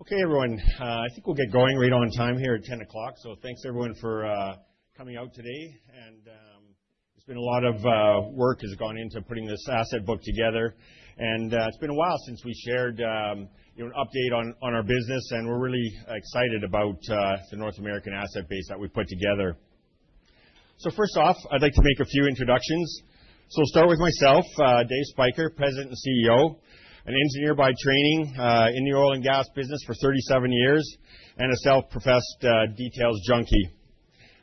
Okay, everyone. I think we'll get going right on time here at 10:00 A.M., so thanks everyone for coming out today, and there's been a lot of work that has gone into putting this asset book together, and it's been a while since we shared an update on our business, and we're really excited about the North American asset base that we've put together. So first off, I'd like to make a few introductions. So I'll start with myself, Dave Spyker, President and CEO, an engineer by training in the oil and gas business for 37 years, and a self-professed details junkie.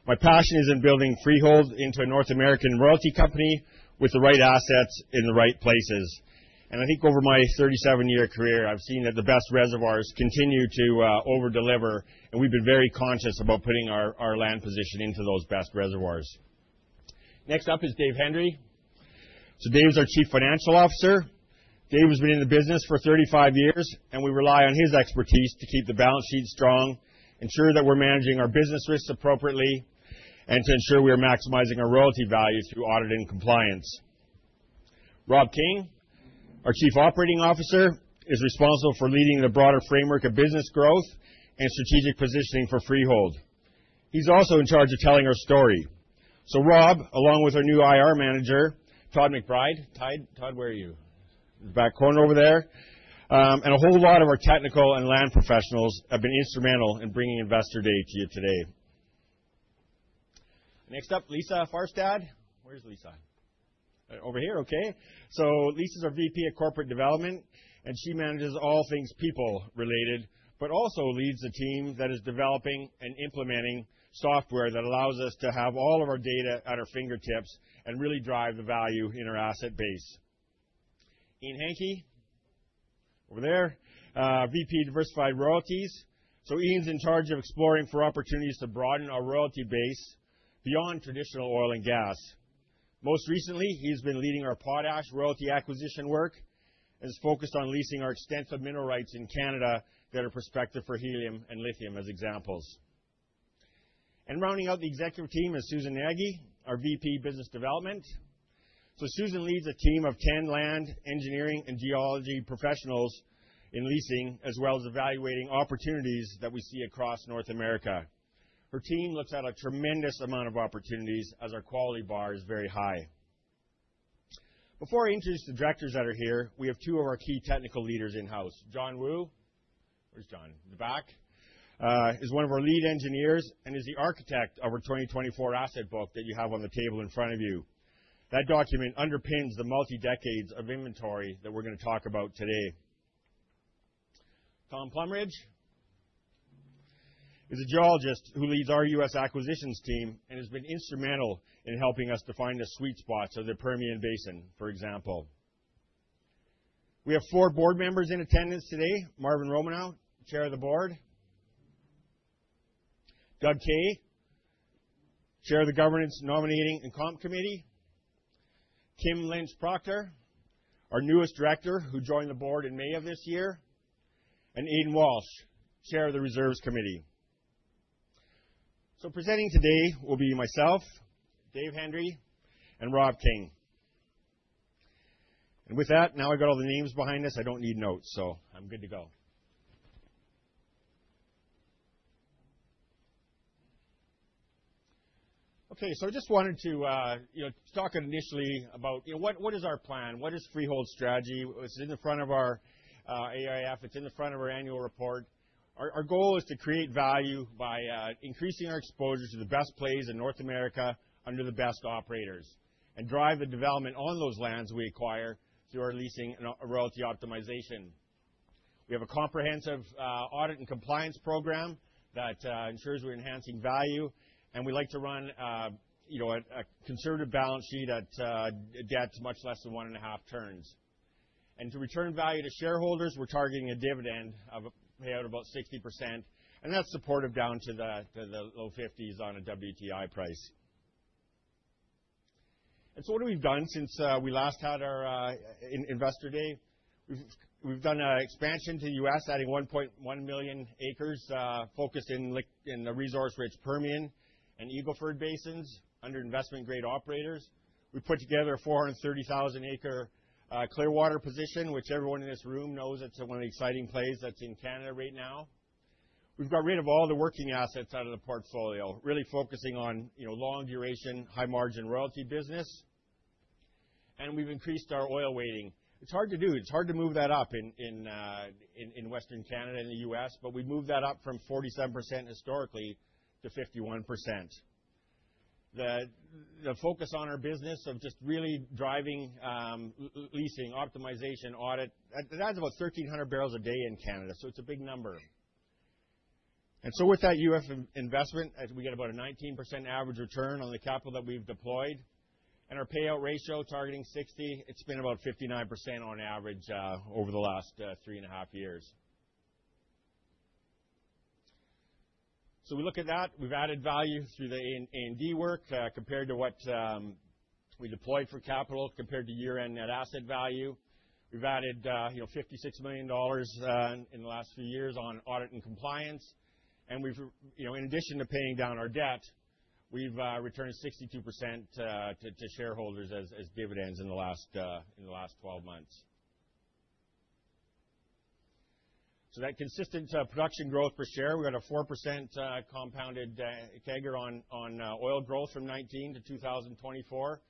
My passion is in building Freehold into a North American royalty company with the right assets in the right places. I think over my 37-year career, I've seen that the best reservoirs continue to overdeliver, and we've been very conscious about putting our land position into those best reservoirs. Next up is Dave Hendry. So Dave is our Chief Financial Officer. Dave has been in the business for 35 years, and we rely on his expertise to keep the balance sheet strong, ensure that we're managing our business risks appropriately, and to ensure we are maximizing our royalty value through audit and compliance. Rob King, our Chief Operating Officer, is responsible for leading the broader framework of business growth and strategic positioning for Freehold. He's also in charge of telling our story. So Rob, along with our new IR Manager, Todd McBride. Todd, where are you? In the back corner over there. A whole lot of our technical and land professionals have been instrumental in bringing Investor Day to you today. Next up, Lisa Farstad. Where's Lisa? Over here, okay. Lisa's our VP of Corporate Development, and she manages all things people-related, but also leads a team that is developing and implementing software that allows us to have all of our data at our fingertips and really drive the value in our asset base. Ian Hanke, over there, VP of Diversified Royalties. Ian's in charge of exploring for opportunities to broaden our royalty base beyond traditional oil and gas. Most recently, he's been leading our potash royalty acquisition work and is focused on leasing our extensive mineral rights in Canada that are prospective for helium and lithium as examples. Rounding out the executive team is Susan Nagy, our VP of Business Development. So Susan leads a team of 10 land, engineering, and geology professionals in leasing, as well as evaluating opportunities that we see across North America. Her team looks at a tremendous amount of opportunities as our quality bar is very high. Before I introduce the directors that are here, we have two of our key technical leaders in-house. John Wu, where's John? In the back, is one of our lead engineers and is the architect of our 2024 asset book that you have on the table in front of you. That document underpins the multi-decades of inventory that we're going to talk about today. Tom Plumridge is a geologist who leads our U.S. acquisitions team and has been instrumental in helping us to find the sweet spots of the Permian Basin, for example. We have four board members in attendance today: Marvin Romanoff, Chair of the Board, Doug Kay, Chair of the Governance Nominating and Comp Committee, Tim Lynch-Staunton, our newest director who joined the board in May of this year, and Aidan Walsh, Chair of the Reserves Committee. So presenting today will be myself, Dave Hendry, and Rob King. And with that, now I've got all the names behind us, I don't need notes, so I'm good to go. Okay, so I just wanted to talk initially about what is our plan, what is Freehold strategy. It's in the front of our AIF, it's in the front of our annual report. Our goal is to create value by increasing our exposure to the best plays in North America under the best operators and drive the development on those lands we acquire through our leasing and royalty optimization. We have a comprehensive audit and compliance program that ensures we're enhancing value, and we like to run a conservative balance sheet at debt much less than one and a half turns. And to return value to shareholders, we're targeting a dividend of about 60%, and that's supportive down to the low 50s on a WTI price. And so what have we done since we last had our Investor Day? We've done an expansion to the U.S., adding 1.1 million acres focused in the resource-rich Permian and Eagle Ford Basins under investment-grade operators. We put together a 430,000-acre Clearwater position, which everyone in this room knows, it's one of the exciting plays that's in Canada right now. We've got rid of all the working assets out of the portfolio, really focusing on long-duration, high-margin royalty business. And we've increased our oil weighting. It's hard to do. It's hard to move that up in Western Canada and the U.S., but we've moved that up from 47% historically to 51%. The focus on our business of just really driving leasing, optimization, audit, that's about 1,300 barrels a day in Canada, so it's a big number. And so with that U.S. investment, we get about a 19% average return on the capital that we've deployed, and our payout ratio targeting 60%, it's been about 59% on average over the last three and a half years. So we look at that. We've added value through the A&D work compared to what we deployed for capital compared to year-end net asset value. We've added $56 million in the last few years on audit and compliance, and in addition to paying down our debt, we've returned 62% to shareholders as dividends in the last 12 months. That consistent production growth per share, we got a 4% compounded CAGR on oil growth from 2019 to 2024.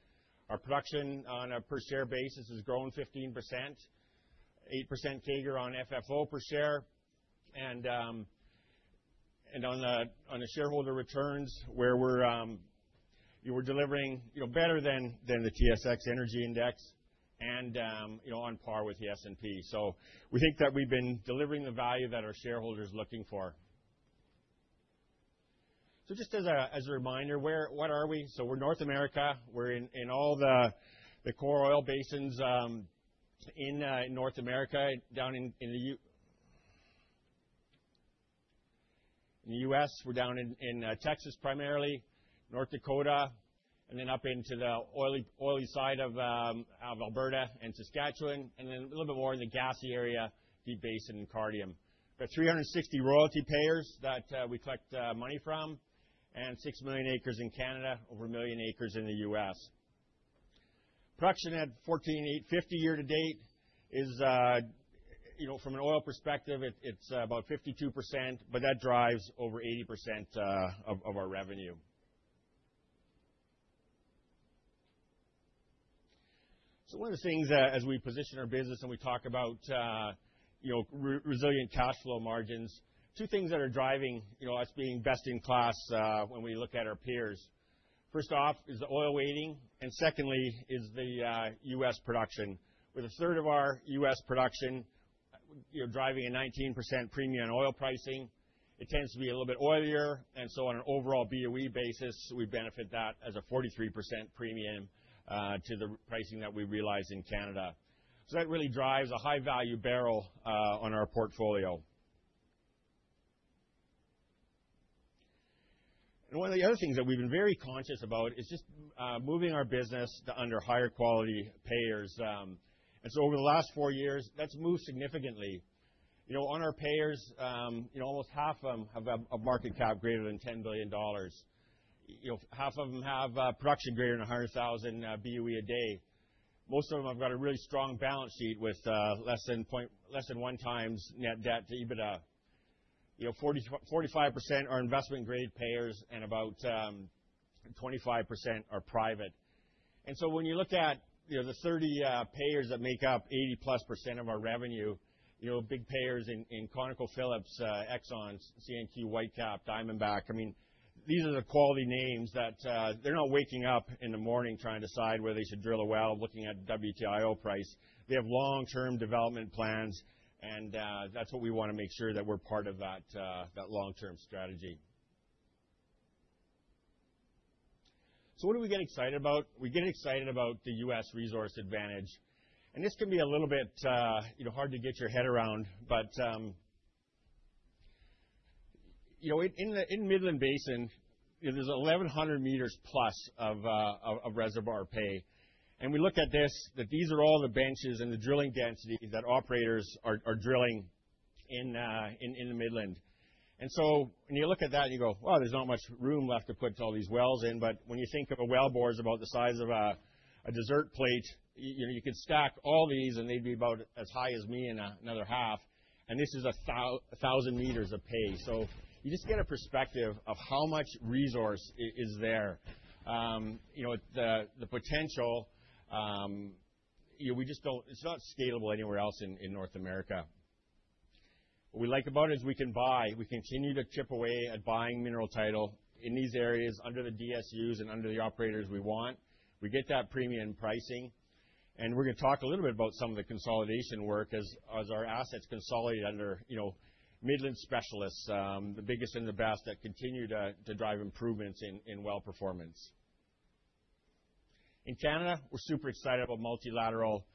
Our production on a per-share basis has grown 15%, 8% CAGR on FFO per share. And on the shareholder returns, we're delivering better than the TSX Energy Index and on par with the S&P. We think that we've been delivering the value that our shareholders are looking for. Just as a reminder, what are we? We're North America, we're in all the core oil basins in North America, down in the U.S., we're down in Texas primarily, North Dakota, and then up into the oily side of Alberta and Saskatchewan, and then a little bit more in the gassy area, Deep Basin, and Cardium. We've got 360 royalty payers that we collect money from, and six million acres in Canada, over a million acres in the U.S. Production at 14,850 year-to-date is, from an oil perspective, it's about 52%, but that drives over 80% of our revenue. So one of the things as we position our business and we talk about resilient cash flow margins, two things that are driving us being best in class when we look at our peers. First off is the oil weighting, and secondly is the U.S. production. With a third of our U.S. production driving a 19% premium on oil pricing, it tends to be a little bit oilier, and so on an overall BOE basis, we benefit that as a 43% premium to the pricing that we realize in Canada. So that really drives a high-value barrel on our portfolio. And one of the other things that we've been very conscious about is just moving our business to under higher quality payers. Over the last four years, that's moved significantly. On our payers, almost half of them have a market cap greater than $10 billion. Half of them have production greater than 100,000 BOE a day. Most of them have got a really strong balance sheet with less than one times net debt to EBITDA. 45% are investment-grade payers and about 25% are private. When you look at the 30 payers that make up 80+% of our revenue, big payers in ConocoPhillips, Exxon, CNQ, White Cap, Diamondback, I mean, these are the quality names that they're not waking up in the morning trying to decide where they should drill a well looking at the WTI oil price. They have long-term development plans, and that's what we want to make sure that we're part of that long-term strategy. What do we get excited about? We get excited about the U.S. resource advantage, and this can be a little bit hard to get your head around, but in the Midland Basin, there's 1,100+ meters of reservoir pay, and we look at this, that these are all the benches and the drilling density that operators are drilling in the Midland, and so when you look at that, you go, "Wow, there's not much room left to put all these wells in," but when you think of well bores about the size of a dessert plate, you could stack all these and they'd be about as high as me and another half, and this is 1,000 meters of pay, so you just get a perspective of how much resource is there. The potential, it's not scalable anywhere else in North America. What we like about it is we can buy. We continue to chip away at buying mineral title in these areas under the DSUs and under the operators we want. We get that premium pricing, and we're going to talk a little bit about some of the consolidation work as our assets consolidate under Midland specialists, the biggest and the best that continue to drive improvements in well performance. In Canada, we're super excited about multilateral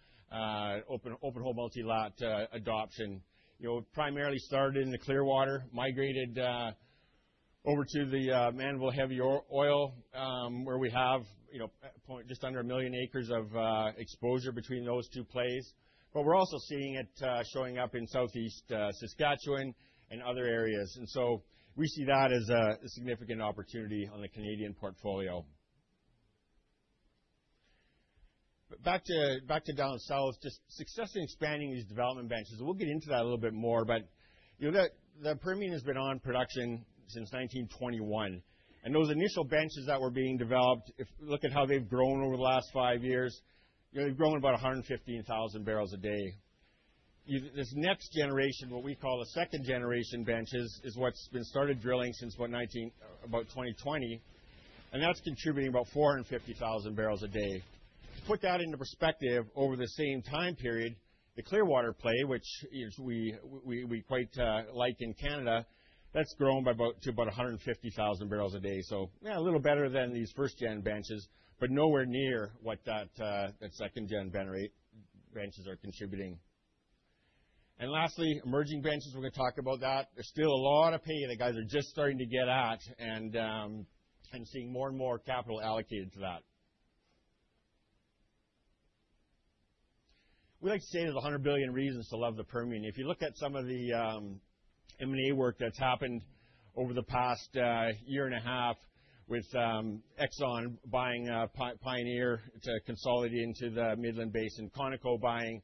open hole multilateral adoption. It primarily started in the Clearwater, migrated over to the Mannville heavy oil where we have just under a million acres of exposure between those two plays. But we're also seeing it showing up in Southeast Saskatchewan and other areas. And so we see that as a significant opportunity on the Canadian portfolio. Back to down south, just success in expanding these development benches. We'll get into that a little bit more, but the Permian has been on production since 1921, and those initial benches that were being developed, if you look at how they've grown over the last five years, they've grown about 115,000 barrels a day. This next generation, what we call the second generation benches, is what's been started drilling since about 2020, and that's contributing about 450,000 barrels a day. To put that into perspective, over the same time period, the Clearwater play, which we quite like in Canada, that's grown to about 150,000 barrels a day, so yeah, a little better than these first-gen benches, but nowhere near what that second-gen benches are contributing, and lastly, emerging benches, we're going to talk about that. There's still a lot of pay that guys are just starting to get at and seeing more and more capital allocated to that. We like to say there's 100 billion reasons to love the Permian. If you look at some of the M&A work that's happened over the past year and a half with Exxon buying Pioneer to consolidate into the Midland Basin, Conoco buying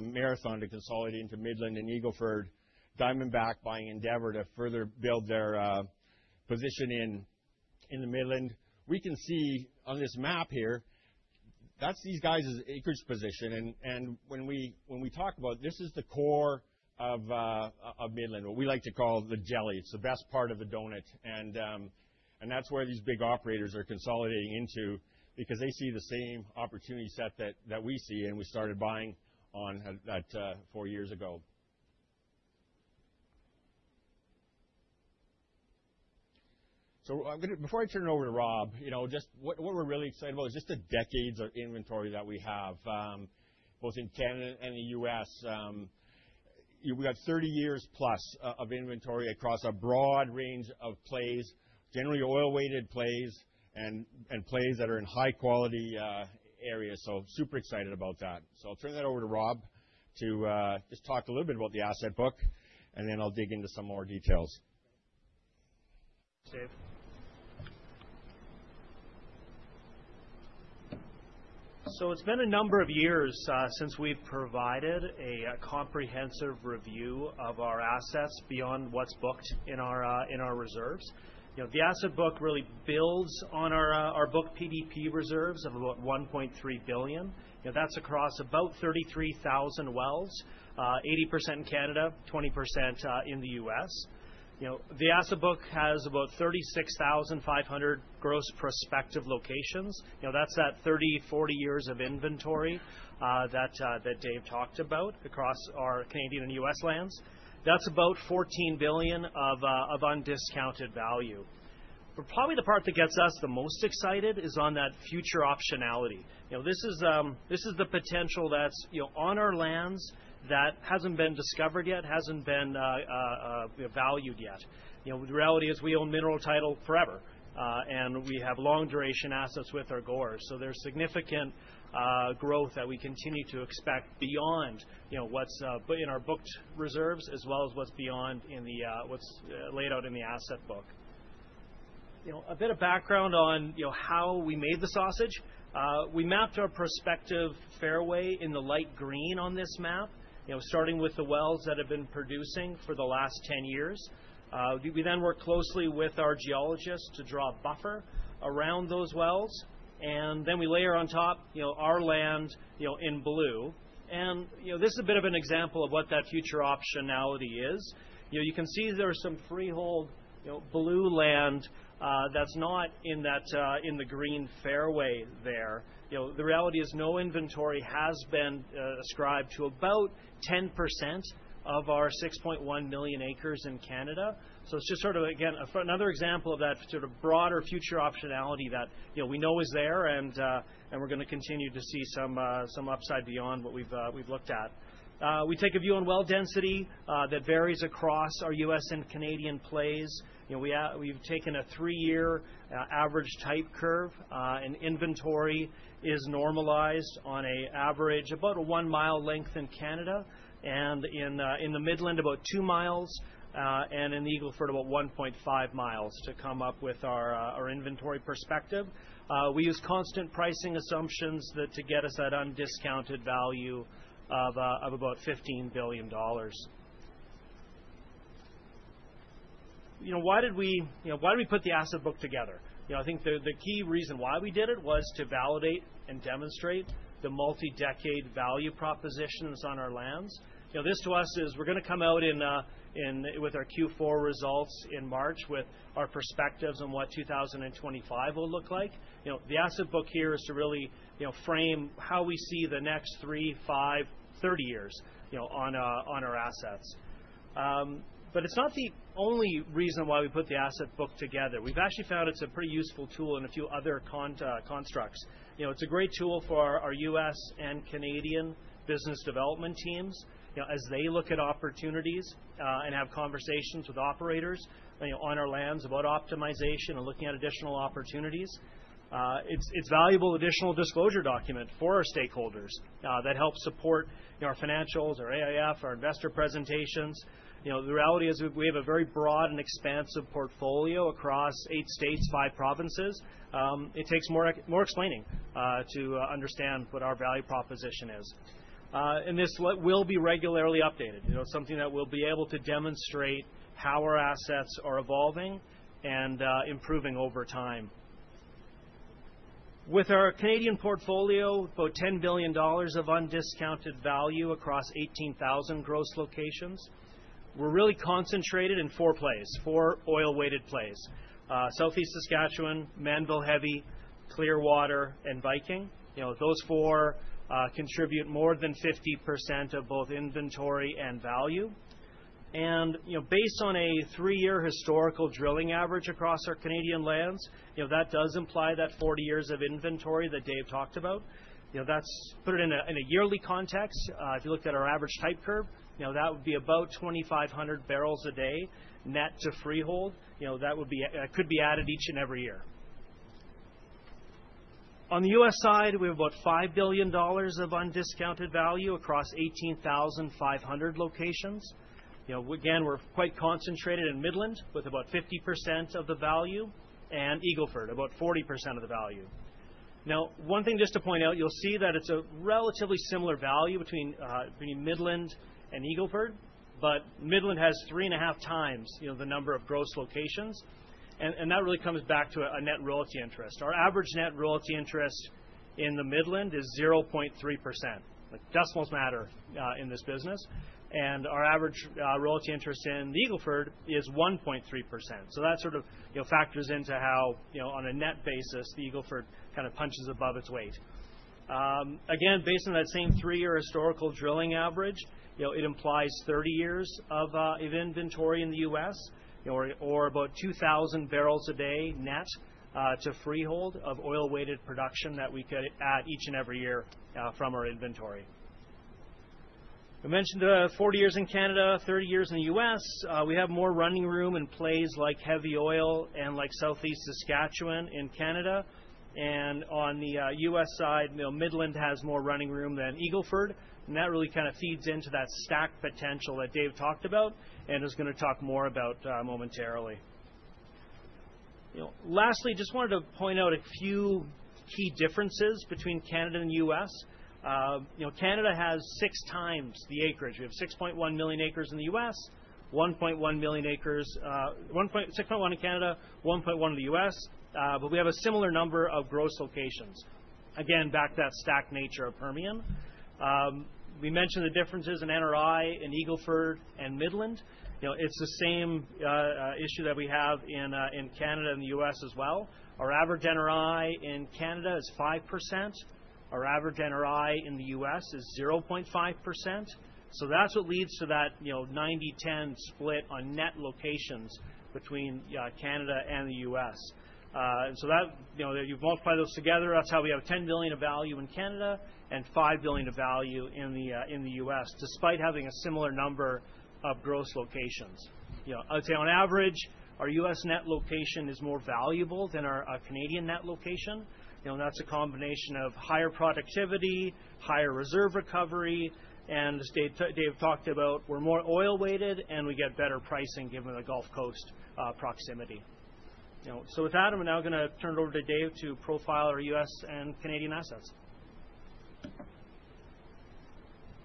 Marathon to consolidate into Midland and Eagle Ford, Diamondback buying Endeavor to further build their position in the Midland. We can see on this map here, that's these guys' acreage position. And when we talk about, this is the core of Midland, what we like to call the jelly. It's the best part of the donut, and that's where these big operators are consolidating into because they see the same opportunity set that we see and we started buying on that four years ago. So before I turn it over to Rob, just what we're really excited about is just the decades of inventory that we have, both in Canada and the U.S. We have 30 years+ of inventory across a broad range of plays, generally oil-weighted plays and plays that are in high-quality areas. So super excited about that. So I'll turn that over to Rob to just talk a little bit about the asset book, and then I'll dig into some more details. So it's been a number of years since we've provided a comprehensive review of our assets beyond what's booked in our reserves. The asset book really builds on our booked PDP reserves of about 1.3 billion. That's across about 33,000 wells, 80% in Canada, 20% in the U.S. The asset book has about 36,500 gross prospective locations. That's the 30-40 years of inventory that Dave talked about across our Canadian and U.S. lands. That's about 14 billion of undiscounted value. But probably the part that gets us the most excited is on that future optionality. This is the potential that's on our lands that hasn't been discovered yet, hasn't been valued yet. The reality is we own mineral title forever, and we have long-duration assets with our core. So there's significant growth that we continue to expect beyond what's in our booked reserves as well as what's laid out in the asset book. A bit of background on how we made the sausage. We mapped our prospective fairway in the light green on this map, starting with the wells that have been producing for the last 10 years. We then worked closely with our geologists to draw a buffer around those wells, and then we layer on top our land in blue. And this is a bit of an example of what that future optionality is. You can see there's some Freehold blue land that's not in the green fairway there. The reality is no inventory has been ascribed to about 10% of our 6.1 million acres in Canada. So it's just sort of, again, another example of that sort of broader future optionality that we know is there, and we're going to continue to see some upside beyond what we've looked at. We take a view on well density that varies across our U.S. and Canadian plays. We've taken a three-year average type curve, and inventory is normalized on an average about a one mi length in Canada and in the Midland about two mi and in Eagle Ford about 1.5 mi to come up with our inventory perspective. We use constant pricing assumptions to get us at undiscounted value of about $15 billion. Why did we put the asset book together? I think the key reason why we did it was to validate and demonstrate the multi-decade value propositions on our lands. This to us is we're going to come out with our Q4 results in March with our perspectives on what 2025 will look like. The asset book here is to really frame how we see the next three, five, 30 years on our assets. But it's not the only reason why we put the asset book together. We've actually found it's a pretty useful tool in a few other constructs. It's a great tool for our U.S. and Canadian business development teams as they look at opportunities and have conversations with operators on our lands about optimization and looking at additional opportunities. It's valuable additional disclosure document for our stakeholders that helps support our financials, our AIF, our investor presentations. The reality is we have a very broad and expansive portfolio across eight states, five provinces. It takes more explaining to understand what our value proposition is, and this will be regularly updated, something that we'll be able to demonstrate how our assets are evolving and improving over time. With our Canadian portfolio, about $10 billion of undiscounted value across 18,000 gross locations, we're really concentrated in four plays, four oil-weighted plays: Southeast Saskatchewan, Mannville Heavy, Clearwater, and Viking. Those four contribute more than 50% of both inventory and value. Based on a three-year historical drilling average across our Canadian lands, that does imply that 40 years of inventory that Dave talked about. Put it in a yearly context, if you looked at our average type curve, that would be about 2,500 barrels a day net to Freehold. That could be added each and every year. On the U.S. side, we have about $5 billion of undiscounted value across 18,500 locations. Again, we're quite concentrated in Midland with about 50% of the value and Eagle Ford, about 40% of the value. Now, one thing just to point out, you'll see that it's a relatively similar value between Midland and Eagle Ford, but Midland has three and a half times the number of gross locations. That really comes back to a net royalty interest. Our average net royalty interest in the Midland is 0.3%. Decimals matter in this business, and our average royalty interest in Eagle Ford is 1.3%. So that sort of factors into how, on a net basis, the Eagle Ford kind of punches above its weight. Again, based on that same three-year historical drilling average, it implies 30 years of inventory in the U.S. or about 2,000 barrels a day net to Freehold of oil-weighted production that we could add each and every year from our inventory. I mentioned 40 years in Canada, 30 years in the U.S. We have more running room in plays like Heavy Oil and like Southeast Saskatchewan in Canada. On the U.S. side, Midland has more running room than Eagle Ford, and that really kind of feeds into that stack potential that Dave talked about and is going to talk more about momentarily. Lastly, just wanted to point out a few key differences between Canada and the U.S. Canada has six times the acreage. We have 6.1 million acres in the U.S., 6.1 in Canada, 1.1 in the U.S., but we have a similar number of gross locations. Again, back to that stack nature of Permian. We mentioned the differences in NRI in Eagle Ford and Midland. It's the same issue that we have in Canada and the U.S. as well. Our average NRI in Canada is 5%. Our average NRI in the U.S. is 0.5%. So that's what leads to that 90/10 split on net locations between Canada and the U.S. And so that, you multiply those together, that's how we have 10 billion of value in Canada and $5 billion of value in the U.S., despite having a similar number of gross locations. I would say on average, our U.S. net location is more valuable than our Canadian net location. That's a combination of higher productivity, higher reserve recovery, and as Dave talked about, we're more oil-weighted and we get better pricing given the Gulf Coast proximity. So with that, I'm now going to turn it over to Dave to profile our U.S. and Canadian assets.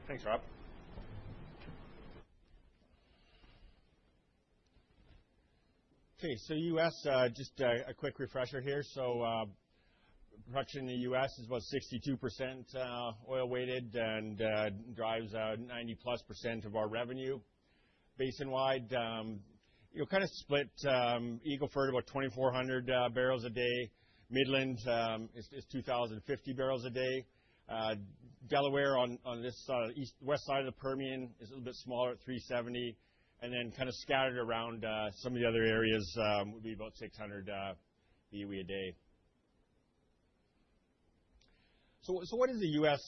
Thanks, Rob. Okay. So U.S., just a quick refresher here. So production in the U.S. is about 62% oil-weighted and drives 90%+ of our revenue basin-wide. You'll kind of split Eagle Ford about 2,400 barrels a day. Midland is 2,050 barrels a day. Delaware on this west side of the Permian is a little bit smaller at 370. And then kind of scattered around some of the other areas would be about 600 BOE a day. So what has the U.S.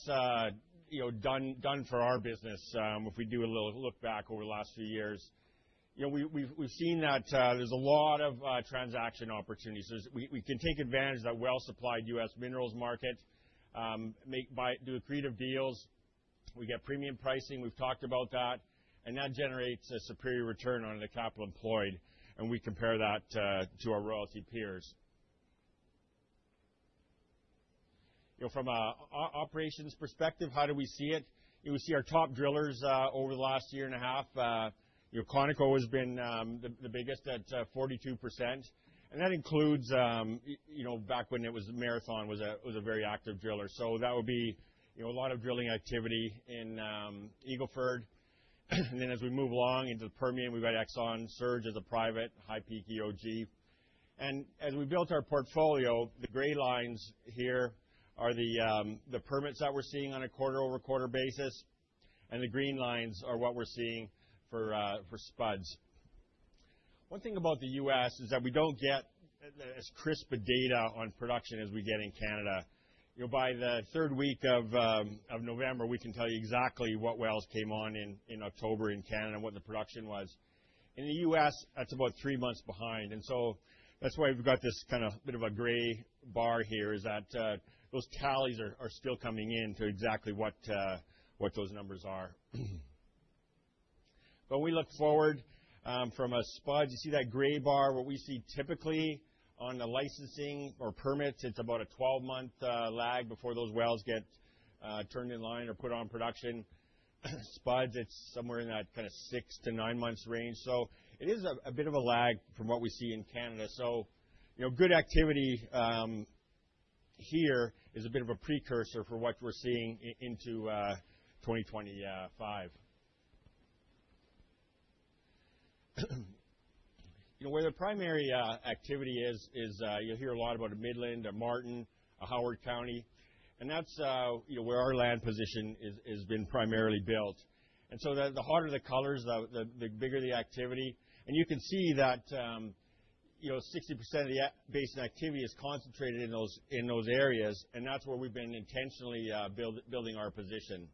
done for our business if we do a little look back over the last few years? We've seen that there's a lot of transaction opportunities. We can take advantage of that well-supplied U.S. minerals market, do accretive deals. We get premium pricing. We've talked about that. And that generates a superior return on the capital employed. And we compare that to our royalty peers. From an operations perspective, how do we see it? We see our top drillers over the last year and a half. ConocoPhillips has been the biggest at 42%. That includes back when it was Marathon, which was a very active driller. That would be a lot of drilling activity in Eagle Ford. We move along into the Permian. We've got ExxonMobil, Surge as a private, HighPeak, EOG. As we built our portfolio, the gray lines here are the permits that we're seeing on a quarter-over-quarter basis. The green lines are what we're seeing for spuds. One thing about the U.S. is that we don't get as crisp data on production as we get in Canada. By the third week of November, we can tell you exactly what wells came on in October in Canada and what the production was. In the U.S., that's about three months behind, and so that's why we've got this kind of bit of a gray bar here, is that those tallies are still coming into exactly what those numbers are, but we look forward from a spud. You see that gray bar, what we see typically on the licensing or permits. It's about a 12-month lag before those wells get turned in line or put on production. Spuds, it's somewhere in that kind of six- to nine-month range, so it is a bit of a lag from what we see in Canada, so good activity here is a bit of a precursor for what we're seeing into 2025. Where the primary activity is, you'll hear a lot about Midland, Martin County, Howard County, and that's where our land position has been primarily built. And so the hotter the colors, the bigger the activity. And you can see that 60% of the basin activity is concentrated in those areas. And that's where we've been intentionally building our position.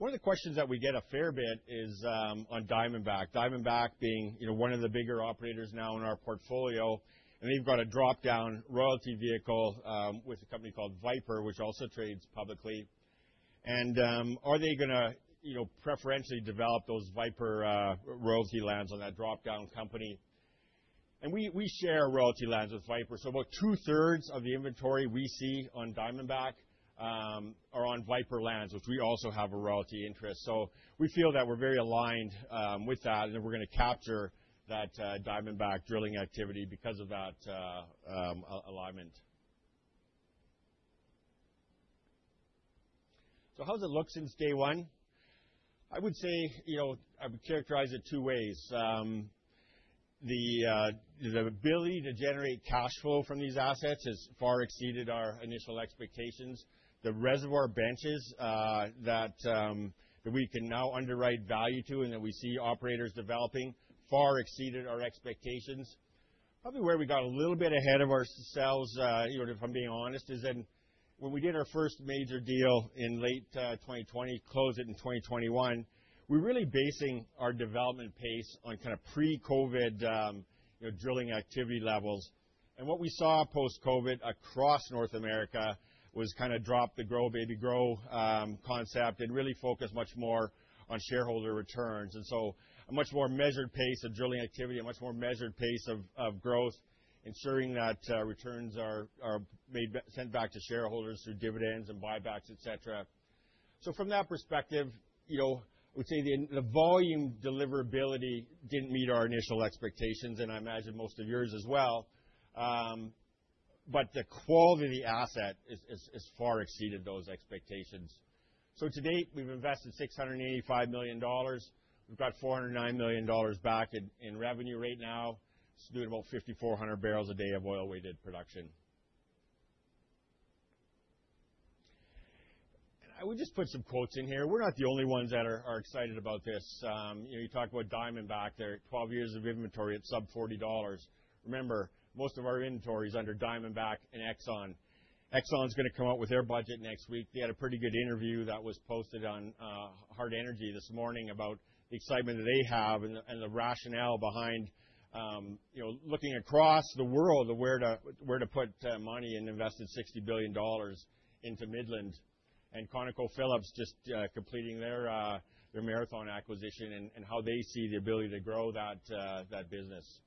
One of the questions that we get a fair bit is on Diamondback. Diamondback being one of the bigger operators now in our portfolio. And they've got a drop-down royalty vehicle with a company called Viper, which also trades publicly. And are they going to preferentially develop those Viper royalty lands on that drop-down company? And we share royalty lands with Viper. So about two-thirds of the inventory we see on Diamondback are on Viper lands, which we also have a royalty interest. So we feel that we're very aligned with that. And we're going to capture that Diamondback drilling activity because of that alignment. So how's it look since day one? I would say I would characterize it two ways. The ability to generate cash flow from these assets has far exceeded our initial expectations. The reservoir benches that we can now underwrite value to and that we see operators developing far exceeded our expectations. Probably where we got a little bit ahead of ourselves, if I'm being honest, is when we did our first major deal in late 2020, closed it in 2021, we were really basing our development pace on kind of pre-COVID drilling activity levels, and what we saw post-COVID across North America was kind of drop the grow, baby grow concept and really focus much more on shareholder returns, and so a much more measured pace of drilling activity, a much more measured pace of growth, ensuring that returns are sent back to shareholders through dividends and buybacks, etc. From that perspective, I would say the volume deliverability didn't meet our initial expectations. And I imagine most of yours as well. But the quality of the asset has far exceeded those expectations. To date, we've invested $685 million. We've got $409 million back in revenue right now. It's doing about 5,400 barrels a day of oil-weighted production. And I would just put some quotes in here. We're not the only ones that are excited about this. You talk about Diamondback, they're 12 years of inventory at sub-$40. Remember, most of our inventory is under Diamondback and Exxon. Exxon is going to come out with their budget next week. They had a pretty good interview that was posted on Hart Energy this morning about the excitement that they have and the rationale behind looking across the world of where to put money and invested $60 billion into Midland. And ConocoPhillips just completing their Marathon acquisition and how they see the ability to grow that business.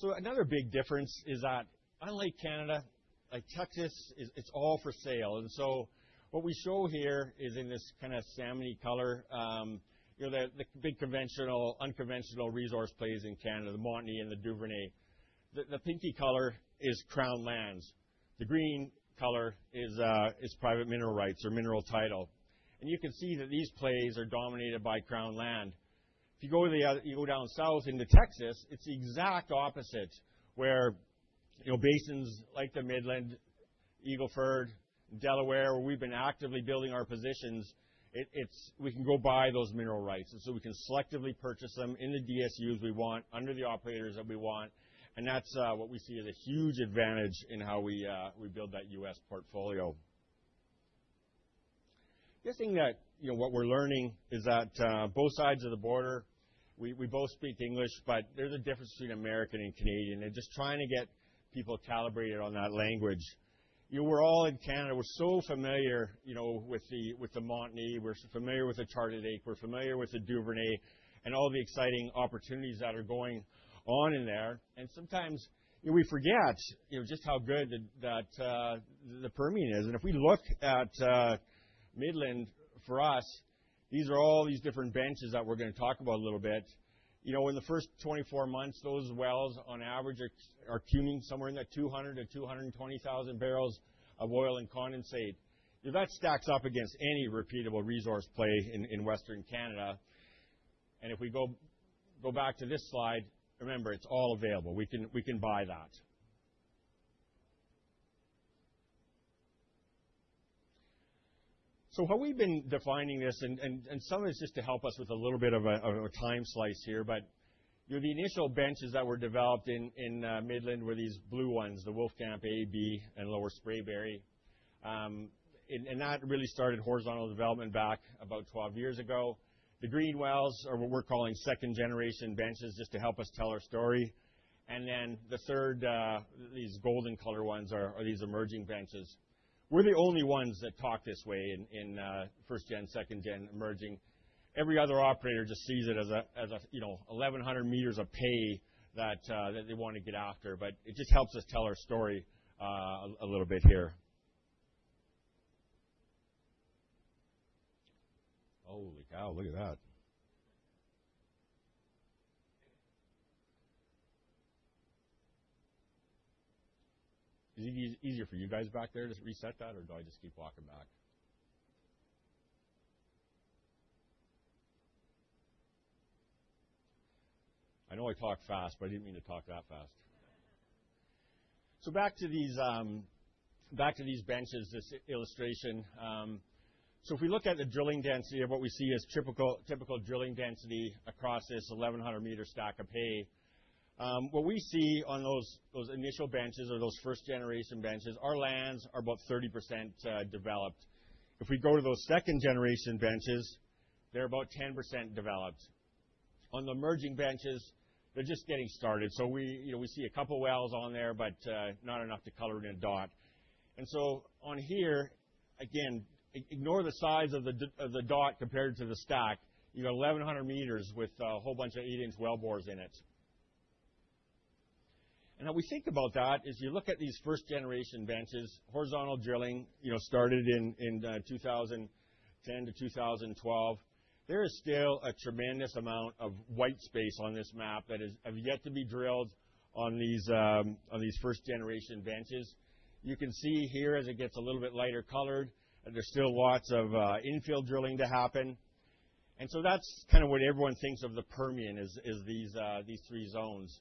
So another big difference is that unlike Canada, like Texas, it's all for sale. And so what we show here is in this kind of salmony color, the big conventional, unconventional resource plays in Canada, the Montney and the Duvernay. The pinky color is Crown Lands. The green color is private mineral rights or mineral title. And you can see that these plays are dominated by Crown Lands. If you go down south into Texas, it's the exact opposite where basins like the Midland, Eagle Ford, Delaware, where we've been actively building our positions, we can go buy those mineral rights. And so we can selectively purchase them in the DSUs we want, under the operators that we want. And that's what we see as a huge advantage in how we build that U.S portfolio. Guessing that what we're learning is that both sides of the border, we both speak English, but there's a difference between American and Canadian, and just trying to get people calibrated on that language. We're all in Canada. We're so familiar with the Montney. We're familiar with the Charlie Lake. We're familiar with the Duvernay and all the exciting opportunities that are going on in there. Sometimes we forget just how good the Permian is. If we look at Midland for us, these are all these different benches that we're going to talk about a little bit. In the first 24 months, those wells on average are doing somewhere in the 200,000-220,000 barrels of oil and condensate. That stacks up against any repeatable resource play in Western Canada. If we go back to this slide, remember, it's all available. We can buy that. So how we've been defining this, and some of it's just to help us with a little bit of a time slice here, but the initial benches that were developed in Midland were these blue ones, the Wolfcamp A, B, and lower Spraberry. And that really started horizontal development back about 12 years ago. The green wells are what we're calling second-generation benches just to help us tell our story. And then the third, these golden color ones are these emerging benches. We're the only ones that talk this way in first-gen, second-gen emerging. Every other operator just sees it as 1,100 meters of pay that they want to get after. But it just helps us tell our story a little bit here. Holy cow, look at that. Is it easier for you guys back there to reset that, or do I just keep walking back? I know I talk fast, but I didn't mean to talk that fast. So back to these benches, this illustration. So if we look at the drilling density, what we see is typical drilling density across this 1,100-meter stack of pay. What we see on those initial benches or those first-generation benches, our lands are about 30% developed. If we go to those second-generation benches, they're about 10% developed. On the emerging benches, they're just getting started. So we see a couple of wells on there, but not enough to color in a dot. And so on here, again, ignore the size of the dot compared to the stack. You got 1,100 meters with a whole bunch of 8-inch well bores in it. And how we think about that is you look at these first-generation benches, horizontal drilling started in 2010 to 2012. There is still a tremendous amount of white space on this map that has yet to be drilled on these first-generation benches. You can see here as it gets a little bit lighter colored, there's still lots of infield drilling to happen. And so that's kind of what everyone thinks of the Permian is these three zones.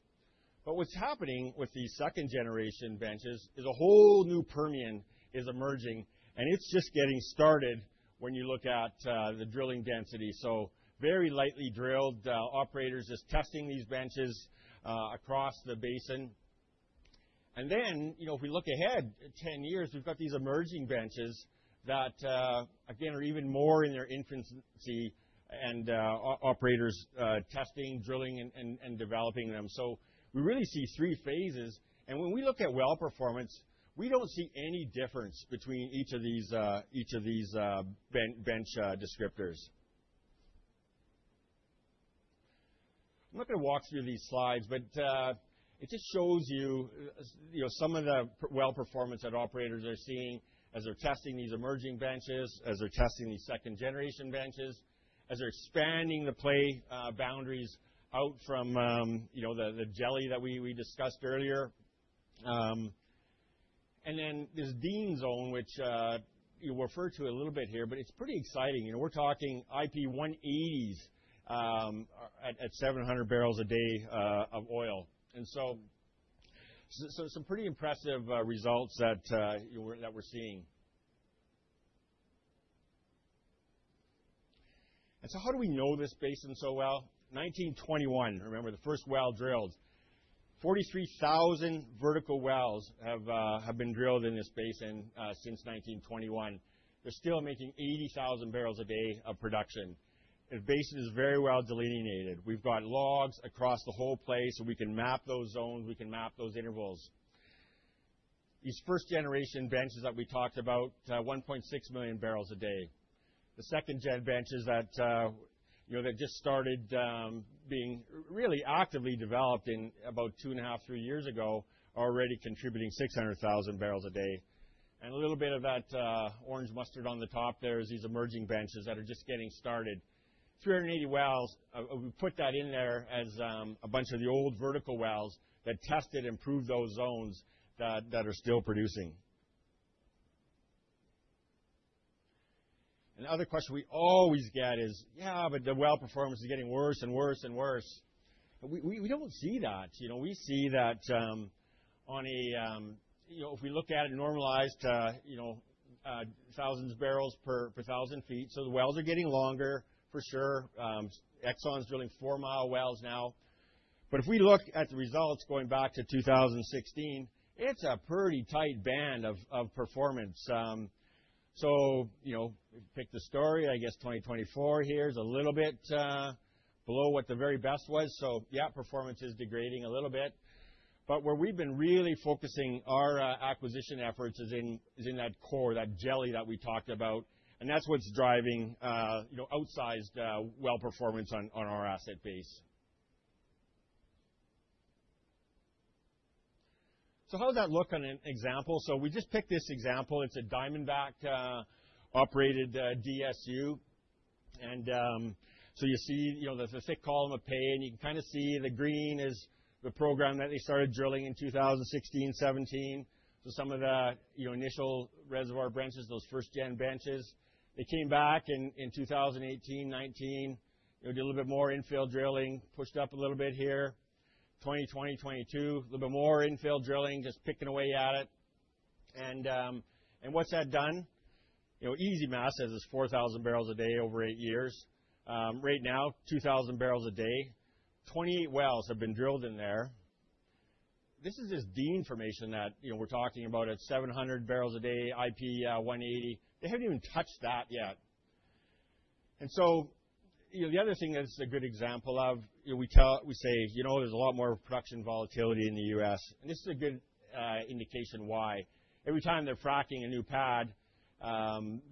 But what's happening with these second-generation benches is a whole new Permian is emerging. And it's just getting started when you look at the drilling density. So very lightly drilled operators just testing these benches across the basin. And then if we look ahead 10 years, we've got these emerging benches that, again, are even more in their infancy and operators testing, drilling, and developing them. So we really see three phases. And when we look at well performance, we don't see any difference between each of these bench descriptors. I'm not going to walk through these slides, but it just shows you some of the well performance that operators are seeing as they're testing these emerging benches, as they're testing these second-generation benches, as they're expanding the play boundaries out from the jelly that we discussed earlier, and then there's Dean Zone, which we'll refer to a little bit here, but it's pretty exciting. We're talking IP 180s at 700 barrels a day of oil, and so some pretty impressive results that we're seeing, and so how do we know this basin so well? 1921, remember the first well drilled. 43,000 vertical wells have been drilled in this basin since 1921. They're still making 80,000 barrels a day of production. The basin is very well delineated. We've got logs across the whole place, so we can map those zones. We can map those intervals. These first-generation benches that we talked about, 1.6 million barrels a day. The second-gen benches that just started being really actively developed in about two and a half, three years ago are already contributing 600,000 barrels a day. And a little bit of that orange mustard on the top there is these emerging benches that are just getting started. 380 wells, we put that in there as a bunch of the old vertical wells that tested and proved those zones that are still producing. And the other question we always get is, yeah, but the well performance is getting worse and worse and worse. We don't see that. We see that on a if we look at it normalized to thousands of barrels per thousand feet. So the wells are getting longer for sure. Exxon's drilling four mile wells now. But if we look at the results going back to 2016, it's a pretty tight band of performance. So if you pick the story, I guess 2024 here is a little bit below what the very best was. So yeah, performance is degrading a little bit. But where we've been really focusing our acquisition efforts is in that core, that jelly that we talked about. And that's what's driving outsized well performance on our asset base. So how does that look on an example? So we just picked this example. It's a Diamondback operated DSU. And so you see there's a thick column of pay. And you can kind of see the green is the program that they started drilling in 2016, 2017. So some of the initial reservoir benches, those first-gen benches, they came back in 2018, 2019, did a little bit more infield drilling, pushed up a little bit here. 2020, 2022, a little bit more infield drilling, just picking away at it. And what's that done? EasyMass has this 4,000 barrels a day over eight years. Right now, 2,000 barrels a day. 28 wells have been drilled in there. This is just Dean Formation that we're talking about at 700 barrels a day, IP 180. They haven't even touched that yet. And so the other thing that's a good example of, we say there's a lot more production volatility in the U.S. And this is a good indication why. Every time they're fracking a new pad,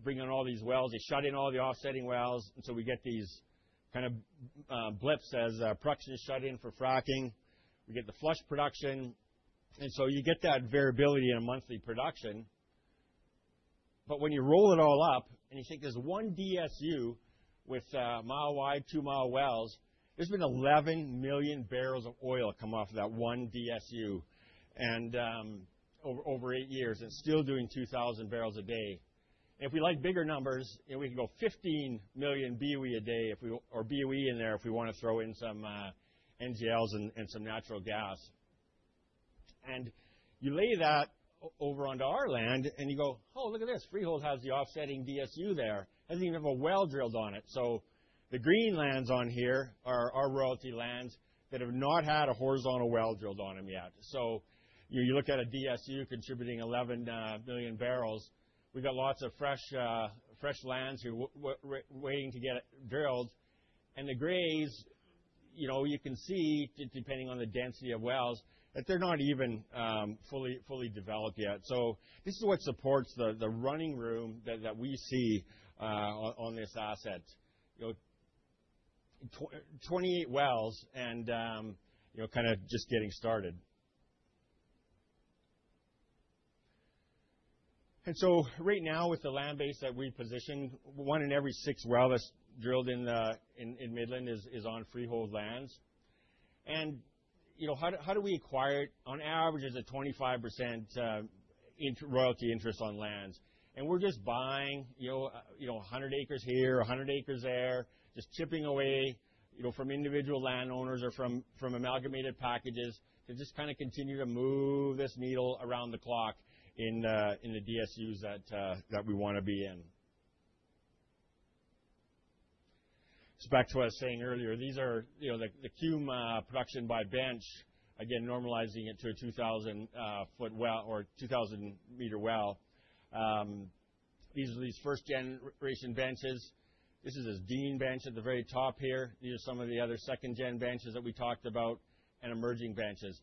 bringing on all these wells, they shut in all the offsetting wells. And so we get these kind of blips as production is shut in for fracking. We get the flush production. And so you get that variability in a monthly production. But when you roll it all up and you think there's one DSU with mile-wide, two-mile wells, there's been 11 million barrels of oil come off that one DSU over eight years and still doing 2,000 barrels a day. And if we like bigger numbers, we can go 15 million BOE a day or BOE in there if we want to throw in some NGLs and some natural gas. And you lay that over onto our land and you go, "Oh, look at this. Freehold has the offsetting DSU there. It doesn't even have a well drilled on it." So the green lands on here are royalty lands that have not had a horizontal well drilled on them yet. You look at a DSU contributing 11 million barrels. We've got lots of fresh lands here waiting to get drilled. The grays, you can see depending on the density of wells, that they're not even fully developed yet. This is what supports the running room that we see on this asset. 28 wells and kind of just getting started. Right now with the land base that we've positioned, one in every six wells that's drilled in Midland is on Freehold lands. How do we acquire it? On average, it's a 25% royalty interest on lands. We're just buying 100 acres here, 100 acres there, just chipping away from individual landowners or from amalgamated packages to just kind of continue to move this needle around the clock in the DSUs that we want to be in. It's back to what I was saying earlier. These are the CUMA production by bench, again, normalizing it to a 2,000-foot well or 2,000-meter well. These are the first-generation benches. This is a dean bench at the very top here. These are some of the other second-gen benches that we talked about and emerging benches.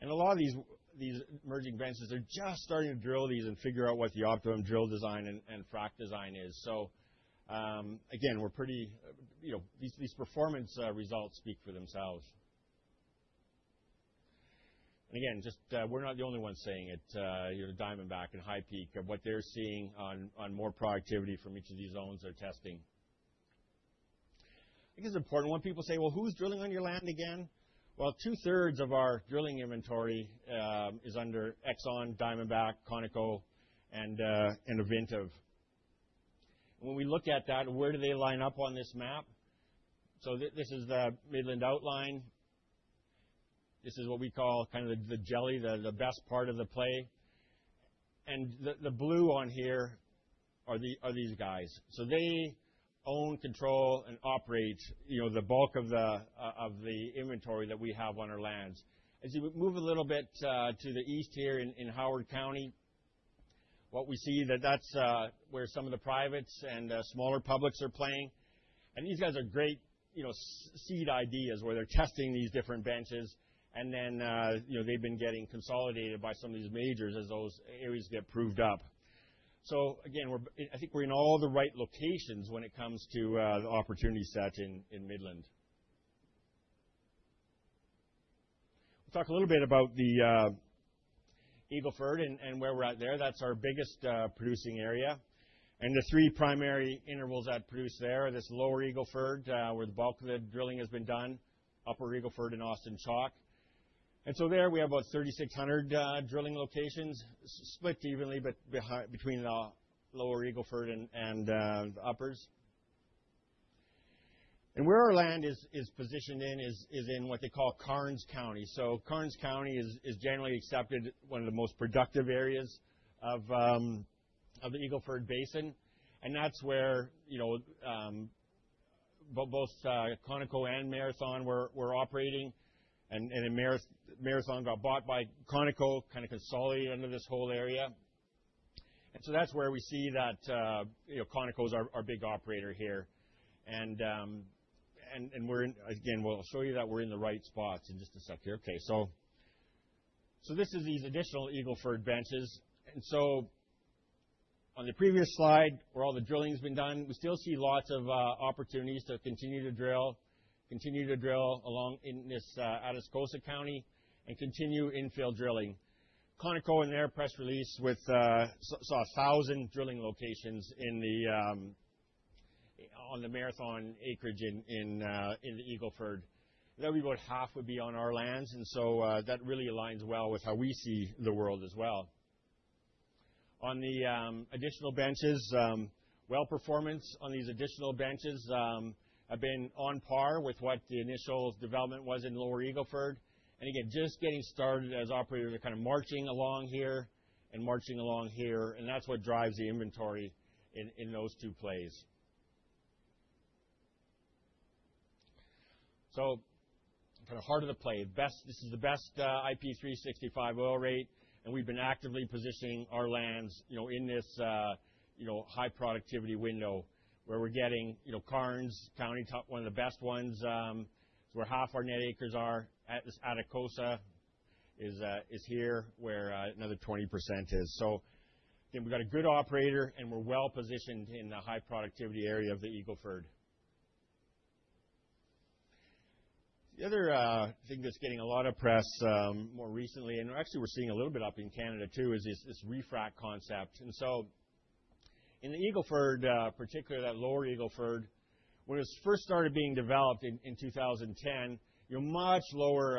And a lot of these emerging benches, they're just starting to drill these and figure out what the optimum drill design and frack design is. So again, we're pretty these performance results speak for themselves. And again, just we're not the only ones saying it. Diamondback and HighPeak, what they're seeing on more productivity from each of these zones they're testing. I think it's important. When people say, "Well, who's drilling on your land again?" Well, 2/3 of our drilling inventory is under Exxon, Diamondback, Conoco, and Ovintiv. And when we look at that, where do they line up on this map? This is the Midland outline. This is what we call kind of the jelly, the best part of the play. The blue on here are these guys. They own, control, and operate the bulk of the inventory that we have on our lands. As you move a little bit to the east here in Howard County, what we see is that that's where some of the privates and smaller publics are playing. These guys are great seed ideas where they're testing these different benches. Then they've been getting consolidated by some of these majors as those areas get proved up. Again, I think we're in all the right locations when it comes to the opportunity set in Midland. We'll talk a little bit about the Eagle Ford and where we're at there. That's our biggest producing area. The three primary intervals that produce there are this lower Eagle Ford where the bulk of the drilling has been done, upper Eagle Ford and Austin Chalk. And so there we have about 3,600 drilling locations split evenly between the lower Eagle Ford and the uppers. And where our land is positioned in is in what they call Karnes County. Karnes County is generally accepted one of the most productive areas of the Eagle Ford Basin. And that's where both Conoco and Marathon were operating. And then Marathon got bought by Conoco, kind of consolidated under this whole area. And so that's where we see that Conoco's our big operator here. And again, we'll show you that we're in the right spots in just a sec here. Okay. This is these additional Eagle Ford benches. On the previous slide where all the drilling has been done, we still see lots of opportunities to continue to drill, continue to drill out of Karnes County, and continue infill drilling. Conoco in their press release saw 1,000 drilling locations on the Marathon acreage in the Eagle Ford. That would be about half would be on our lands. That really aligns well with how we see the world as well. On the additional benches, well performance on these additional benches have been on par with what the initial development was in lower Eagle Ford. Again, just getting started as operators are kind of marching along here, and marching along here. That's what drives the inventory in those two plays. Kind of heart of the play, this is the best IP 365 oil rate. We've been actively positioning our lands in this high productivity window where we're getting Karnes County, one of the best ones. Where half our net acres are at the Atascosa is here where another 20% is. Again, we've got a good operator and we're well positioned in the high productivity area of the Eagle Ford. The other thing that's getting a lot of press more recently, and actually we're seeing a little bit up in Canada too, is this re-frac concept. In the Eagle Ford, particularly that lower Eagle Ford, when it was first started being developed in 2010, much lower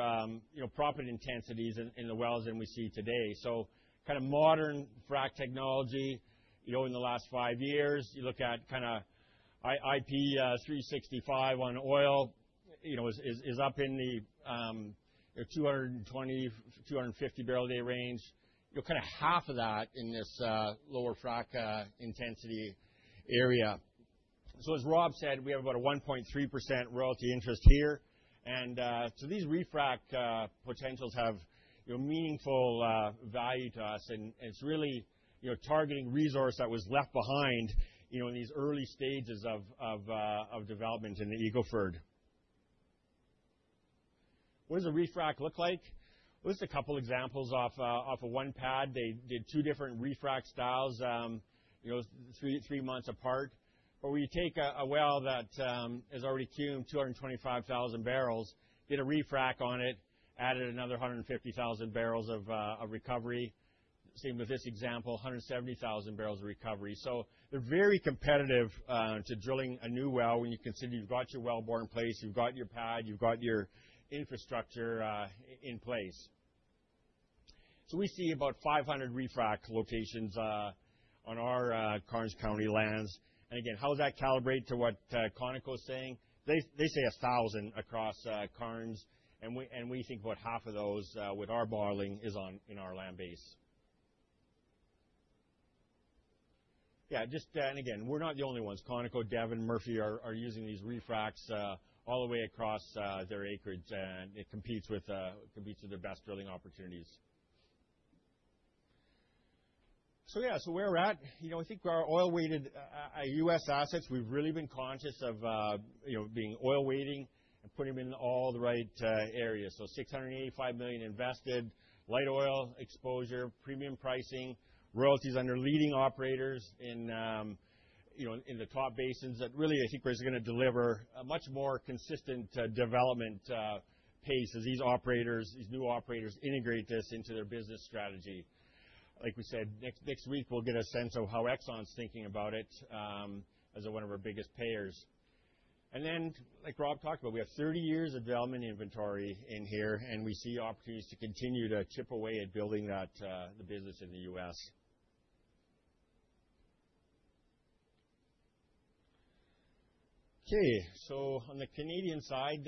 proppant intensities in the wells than we see today. Kind of modern frac technology in the last five years, you look at kind of IP 365 on oil is up in the 220-250 barrel day range. Kind of half of that in this lower frac intensity area. So as Rob said, we have about a 1.3% royalty interest here. And so these re-frac potentials have meaningful value to us. And it's really targeting resource that was left behind in these early stages of development in the Eagle Ford. What does a re-frac look like? Well, just a couple of examples off of one pad. They did two different re-frac styles three months apart. But when you take a well that is already cum 225,000 barrels, did a re-frac on it, added another 150,000 barrels of recovery. Same with this example, 170,000 barrels of recovery. So they're very competitive to drilling a new well when you consider you've got your wellbore in place, you've got your pad, you've got your infrastructure in place. So we see about 500 re-frac locations on our Karnes County lands. And again, how does that calibrate to what Conoco is saying? They say 1,000 across Karnes. And we think about half of those with our borrowing is in our land base. Yeah. And again, we're not the only ones. Conoco, Devon, Murphy are using these re-fracs all the way across their acreage. And it competes with their best drilling opportunities. So yeah, so where we're at, I think our oil-weighted US assets, we've really been conscious of being oil-weighting and putting them in all the right areas. So $685 million invested, light oil exposure, premium pricing, royalties under leading operators in the top basins that really, I think we're just going to deliver a much more consistent development pace as these operators, these new operators integrate this into their business strategy. Like we said, next week we'll get a sense of how Exxon's thinking about it as one of our biggest payers. And then, like Rob talked about, we have 30 years of development inventory in here. And we see opportunities to continue to chip away at building the business in the U.S. Okay. On the Canadian side,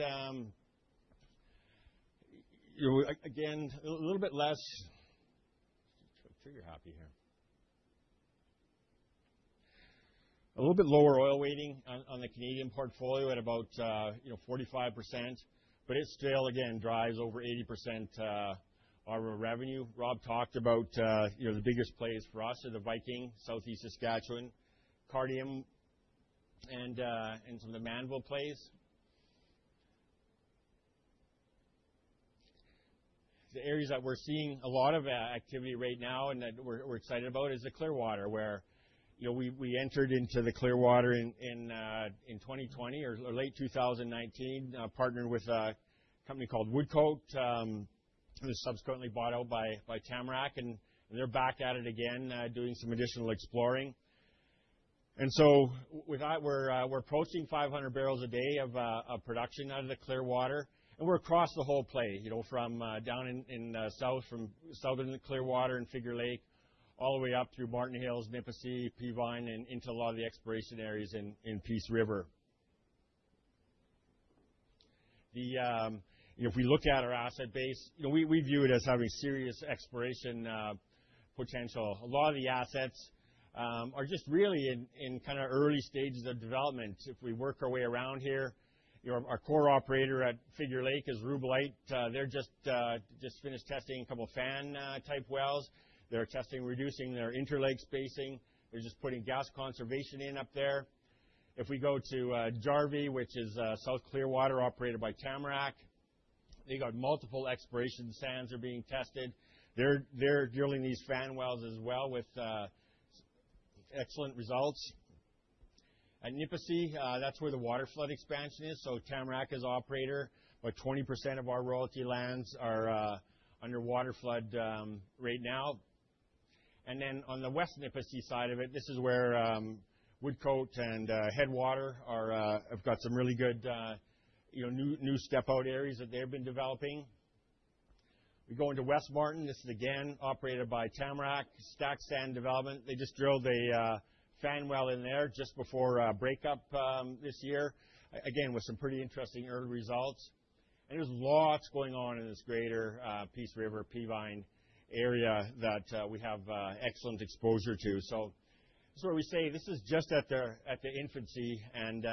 again, a little bit less. I'll try to figure how to be here. A little bit lower oil weighting on the Canadian portfolio at about 45%. But it still, again, drives over 80% of our revenue. Rob talked about the biggest plays for us are the Viking, Southeast Saskatchewan, Cardium, and some of the Mannville plays. The areas that we're seeing a lot of activity right now and that we're excited about is the Clearwater, where we entered into the Clearwater in 2020 or late 2019, partnered with a company called Woodcote. It was subsequently bought out by Tamarack, and they're back at it again, doing some additional exploring, and so with that, we're approaching 500 barrels a day of production out of the Clearwater, and we're across the whole play, from down in south, from southern Clearwater and Figure Lake, all the way up through Marten Hills, Nipisi, Peavine, and into a lot of the exploration areas in Peace River. If we look at our asset base, we view it as having serious exploration potential. A lot of the assets are just really in kind of early stages of development. If we work our way around here, our core operator at Figure Lake is Rubellite. They're just finished testing a couple of fan-type wells. They're testing, reducing their inter-well spacing. They're just putting gas conservation in up there. If we go to Jarvie, which is South Clearwater operated by Tamarack, they got multiple exploration sands are being tested. They're drilling these fan wells as well with excellent results. At Nipisi, that's where the waterflood expansion is, so Tamarack is operator. About 20% of our royalty lands are under waterflood right now, and then on the West Nipisi side of it, this is where Woodcote and Headwater have got some really good new step-out areas that they've been developing. We go into West Marten. This is again operated by Tamarack, stack sand development. They just drilled a fan well in there just before breakup this year, again, with some pretty interesting early results, and there's lots going on in this greater Peace River, Peavine area that we have excellent exposure to, so that's why we say this is just at the infancy. 80%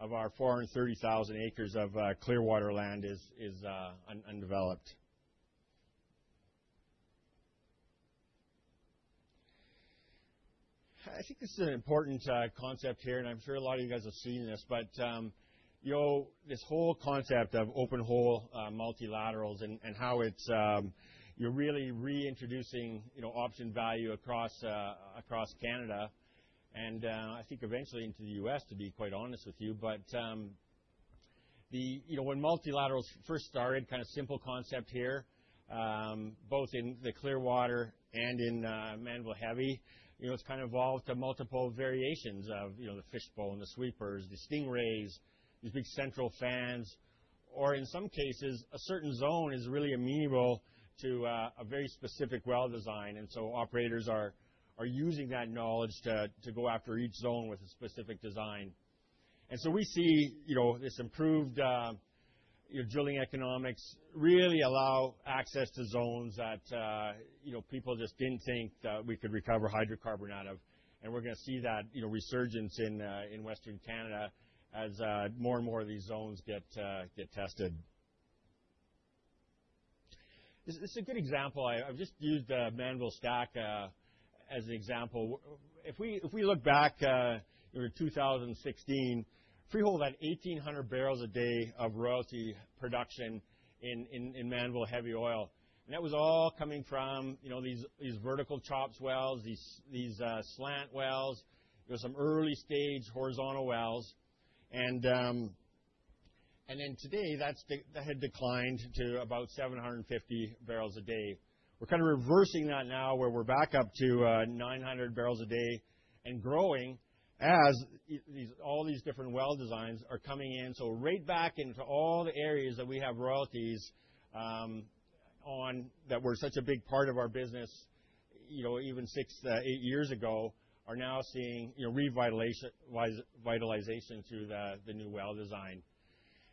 of our 430,000 acres of Clearwater land is undeveloped. I think this is an important concept here. I'm sure a lot of you guys have seen this. This whole concept of open hole multilaterals and how it's really reintroducing option value across Canada and I think eventually into the U.S., to be quite honest with you. When multilaterals first started, kind of simple concept here, both in the Clearwater and in Mannville Heavy, it's kind of evolved to multiple variations of the fishbone and the sweepers, the stingrays, these big central fans. In some cases, a certain zone is really amenable to a very specific well design. Operators are using that knowledge to go after each zone with a specific design. And so we see this improved drilling economics really allow access to zones that people just didn't think we could recover hydrocarbon out of. And we're going to see that resurgence in Western Canada as more and more of these zones get tested. This is a good example. I've just used Mannville Stack as an example. If we look back in 2016, Freehold had 1,800 barrels a day of royalty production in Mannville Heavy Oil. And that was all coming from these vertical CHOPS wells, these slant wells, some early stage horizontal wells. And then today, that had declined to about 750 barrels a day. We're kind of reversing that now where we're back up to 900 barrels a day and growing as all these different well designs are coming in. So, right back into all the areas that we have royalties on that were such a big part of our business even six to eight years ago are now seeing revitalization through the new well design,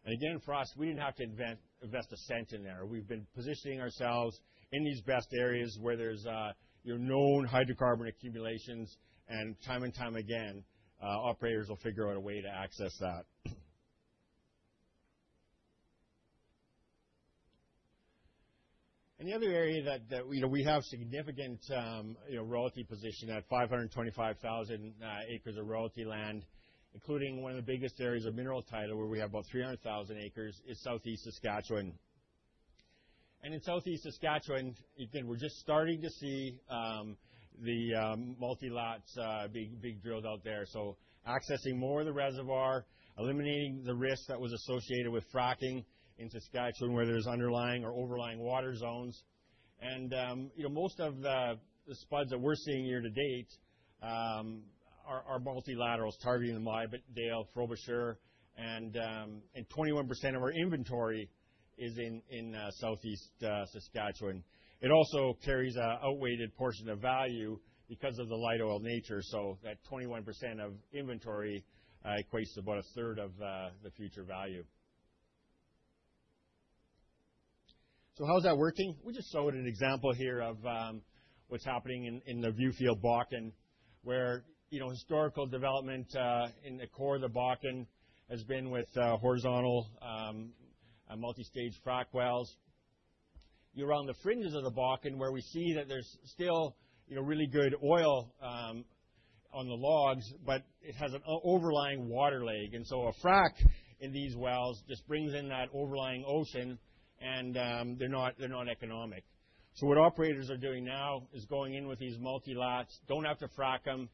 and again, for us, we didn't have to invest a cent in there. We've been positioning ourselves in these best areas where there's known hydrocarbon accumulations, and time and time again, operators will figure out a way to access that, and the other area that we have significant royalty position at 525,000 acres of royalty land, including one of the biggest areas of mineral title where we have about 300,000 acres, is Southeast Saskatchewan, and in Southeast Saskatchewan, again, we're just starting to see the multilaterals being drilled out there, so accessing more of the reservoir, eliminating the risk that was associated with fracking in Saskatchewan where there's underlying or overlying water zones. Most of the spuds that we're seeing year to date are multilaterals targeting the Midale, Frobisher. 21% of our inventory is in Southeast Saskatchewan. It also carries an overweighted portion of value because of the light oil nature. That 21% of inventory equates to about a third of the future value. How's that working? We just showed an example here of what's happening in the Viewfield Bakken where historical development in the core of the Bakken has been with horizontal multi-stage frack wells. You're on the fringes of the Bakken where we see that there's still really good oil on the logs, but it has an overlying water leg. And so a frack in these wells just brings in that overlying ocean, and they're not economic. What operators are doing now is going in with these multi-lots. Don't have to frack them,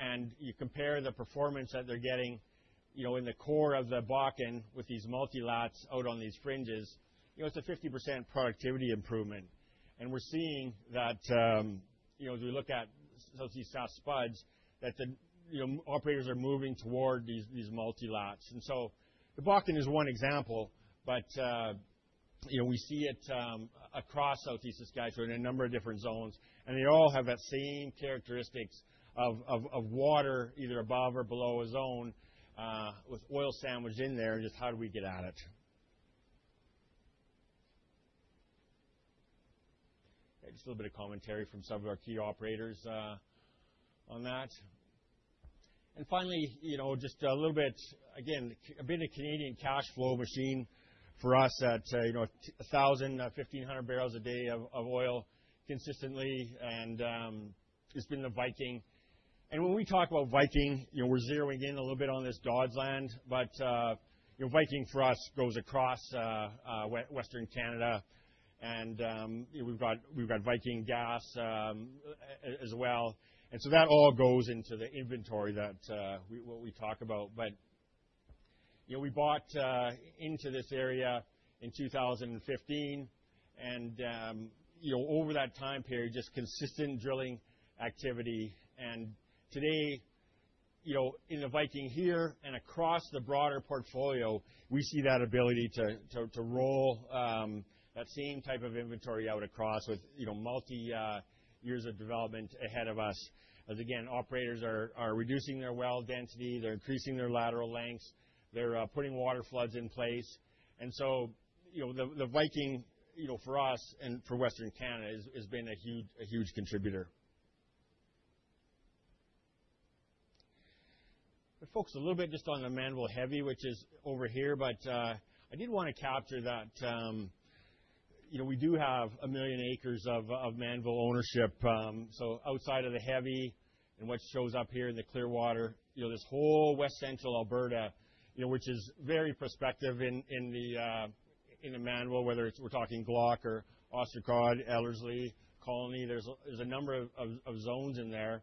and you compare the performance that they're getting in the core of the Bakken with these multi-lots out on these fringes. It's a 50% productivity improvement. We're seeing that as we look at Southeast Saskatchewan spuds, that the operators are moving toward these multi-lots. The Bakken is one example, but we see it across Southeast Saskatchewan in a number of different zones. They all have that same characteristics of water either above or below a zone with oil sandwiched in there. Just how do we get at it? Just a little bit of commentary from some of our key operators on that. Finally, just a little bit, again, a bit of Canadian cash flow machine for us at 1,000-1,500 barrels a day of oil consistently. It's been the Viking. When we talk about Viking, we're zeroing in a little bit on this Dodsland. But Viking for us goes across Western Canada. We've got Viking gas as well. So that all goes into the inventory that we talk about. We bought into this area in 2015. Over that time period, just consistent drilling activity. Today, in the Viking here and across the broader portfolio, we see that ability to roll that same type of inventory out across with multi-years of development ahead of us. Again, operators are reducing their well density. They're increasing their lateral lengths. They're putting water floods in place. So the Viking for us and for Western Canada has been a huge contributor. Folks, a little bit just on the Mannville Heavy, which is over here. But I did want to capture that we do have a million acres of Mannville ownership. So outside of the Heavy and what shows up here in the Clearwater, this whole West Central Alberta, which is very prospective in the Mannville, whether we're talking Glauconitic or Ostracod, Ellerslie, Colony, there's a number of zones in there.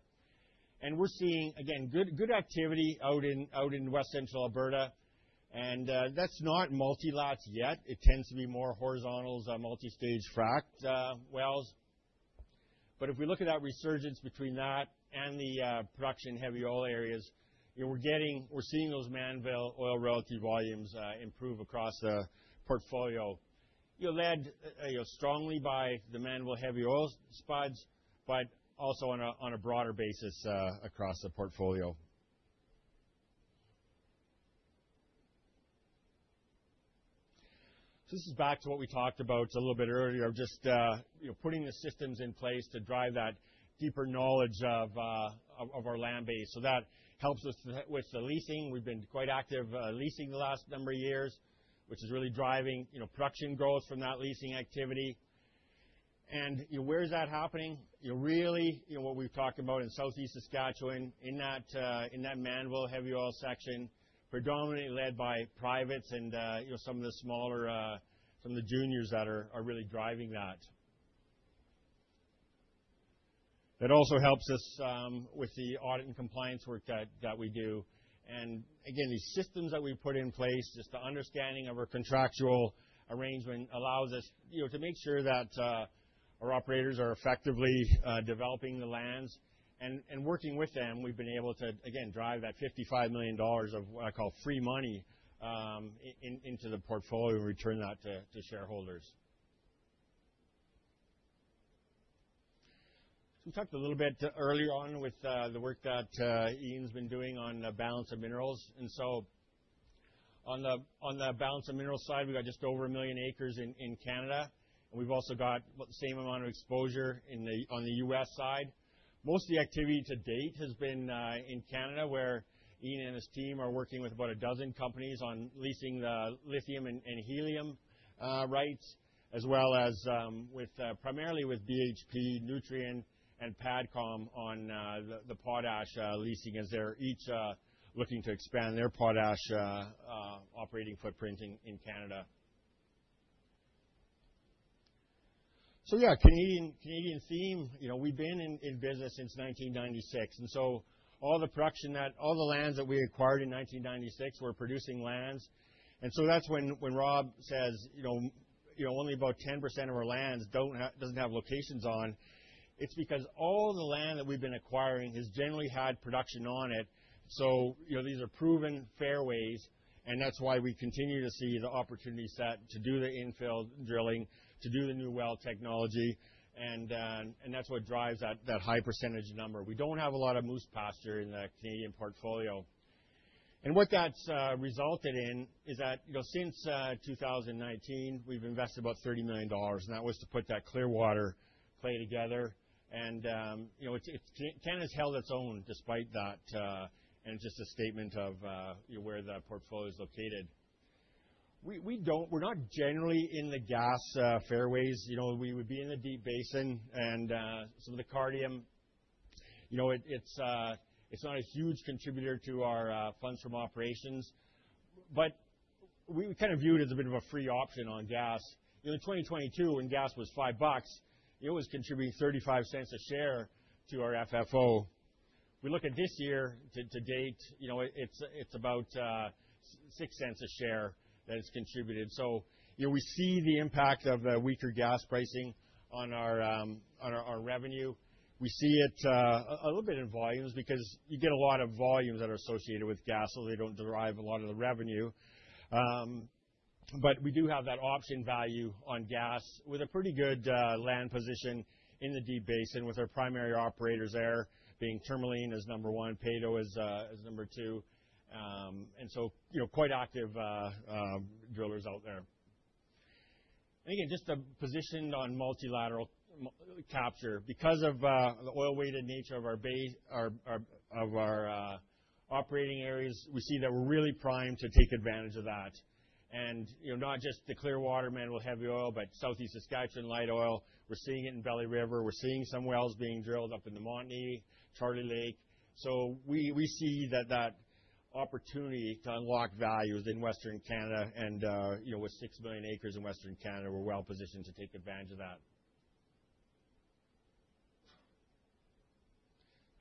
And we're seeing, again, good activity out in West Central Alberta. And that's not multilaterals yet. It tends to be more horizontals, multi-stage fracked wells. But if we look at that resurgence between that and the production heavy oil areas, we're seeing those Mannville oil relative volumes improve across the portfolio, led strongly by the Mannville Heavy Oil spuds, but also on a broader basis across the portfolio. This is back to what we talked about a little bit earlier of just putting the systems in place to drive that deeper knowledge of our land base. That helps us with the leasing. We've been quite active leasing the last number of years, which is really driving production growth from that leasing activity. Where is that happening? Really, what we've talked about in Southeast Saskatchewan in that Mannville Heavy Oil section, predominantly led by privates and some of the smaller juniors that are really driving that. That also helps us with the audit and compliance work that we do. Again, these systems that we put in place, just the understanding of our contractual arrangement allows us to make sure that our operators are effectively developing the lands. And working with them, we've been able to, again, drive that $55 million of what I call free money into the portfolio and return that to shareholders. So we talked a little bit earlier on with the work that Ian's been doing on the balance of minerals. And so on the balance of minerals side, we got just over a million acres in Canada. And we've also got about the same amount of exposure on the U.S. side. Most of the activity to date has been in Canada, where Ian and his team are working with about a dozen companies on leasing the lithium and helium rights, as well as primarily with BHP, Nutrien and PADCOM on the potash leasing as they're each looking to expand their potash operating footprint in Canada. So yeah, Canadian theme, we've been in business since 1996. All the production, all the lands that we acquired in 1996, we're producing lands. That's when Rob says, "Only about 10% of our lands doesn't have locations on." It's because all the land that we've been acquiring has generally had production on it. These are proven fairways. That's why we continue to see the opportunity set to do the infill drilling, to do the new well technology. That's what drives that high percentage number. We don't have a lot of moose pasture in the Canadian portfolio. What that's resulted in is that since 2019, we've invested about $30 million. That was to put that Clearwater play together. Canada's held its own despite that. It's just a statement of where the portfolio is located. We're not generally in the gas fairways. We would be in the Deep Basin and some of the Cardium. It's not a huge contributor to our funds from operations. But we kind of view it as a bit of a free option on gas. In 2022, when gas was 5 bucks, it was contributing 0.35 a share to our FFO. We look at this year to date, it's about 0.06 a share that it's contributed. So we see the impact of the weaker gas pricing on our revenue. We see it a little bit in volumes because you get a lot of volumes that are associated with gas, so they don't derive a lot of the revenue. But we do have that option value on gas with a pretty good land position in the Deep Basin with our primary operators there being Tourmaline as number one, Peyto as number two. And so, quite active drillers out there. And again, just the position on multilateral capture. Because of the oil-weighted nature of our operating areas, we see that we're really primed to take advantage of that. And not just the Clearwater, Mannville Heavy Oil, but Southeast Saskatchewan light oil. We're seeing it in Belly River. We're seeing some wells being drilled up in the Montney, Charlie Lake. So we see that opportunity to unlock value within Western Canada. And with six million acres in Western Canada, we're well positioned to take advantage of that.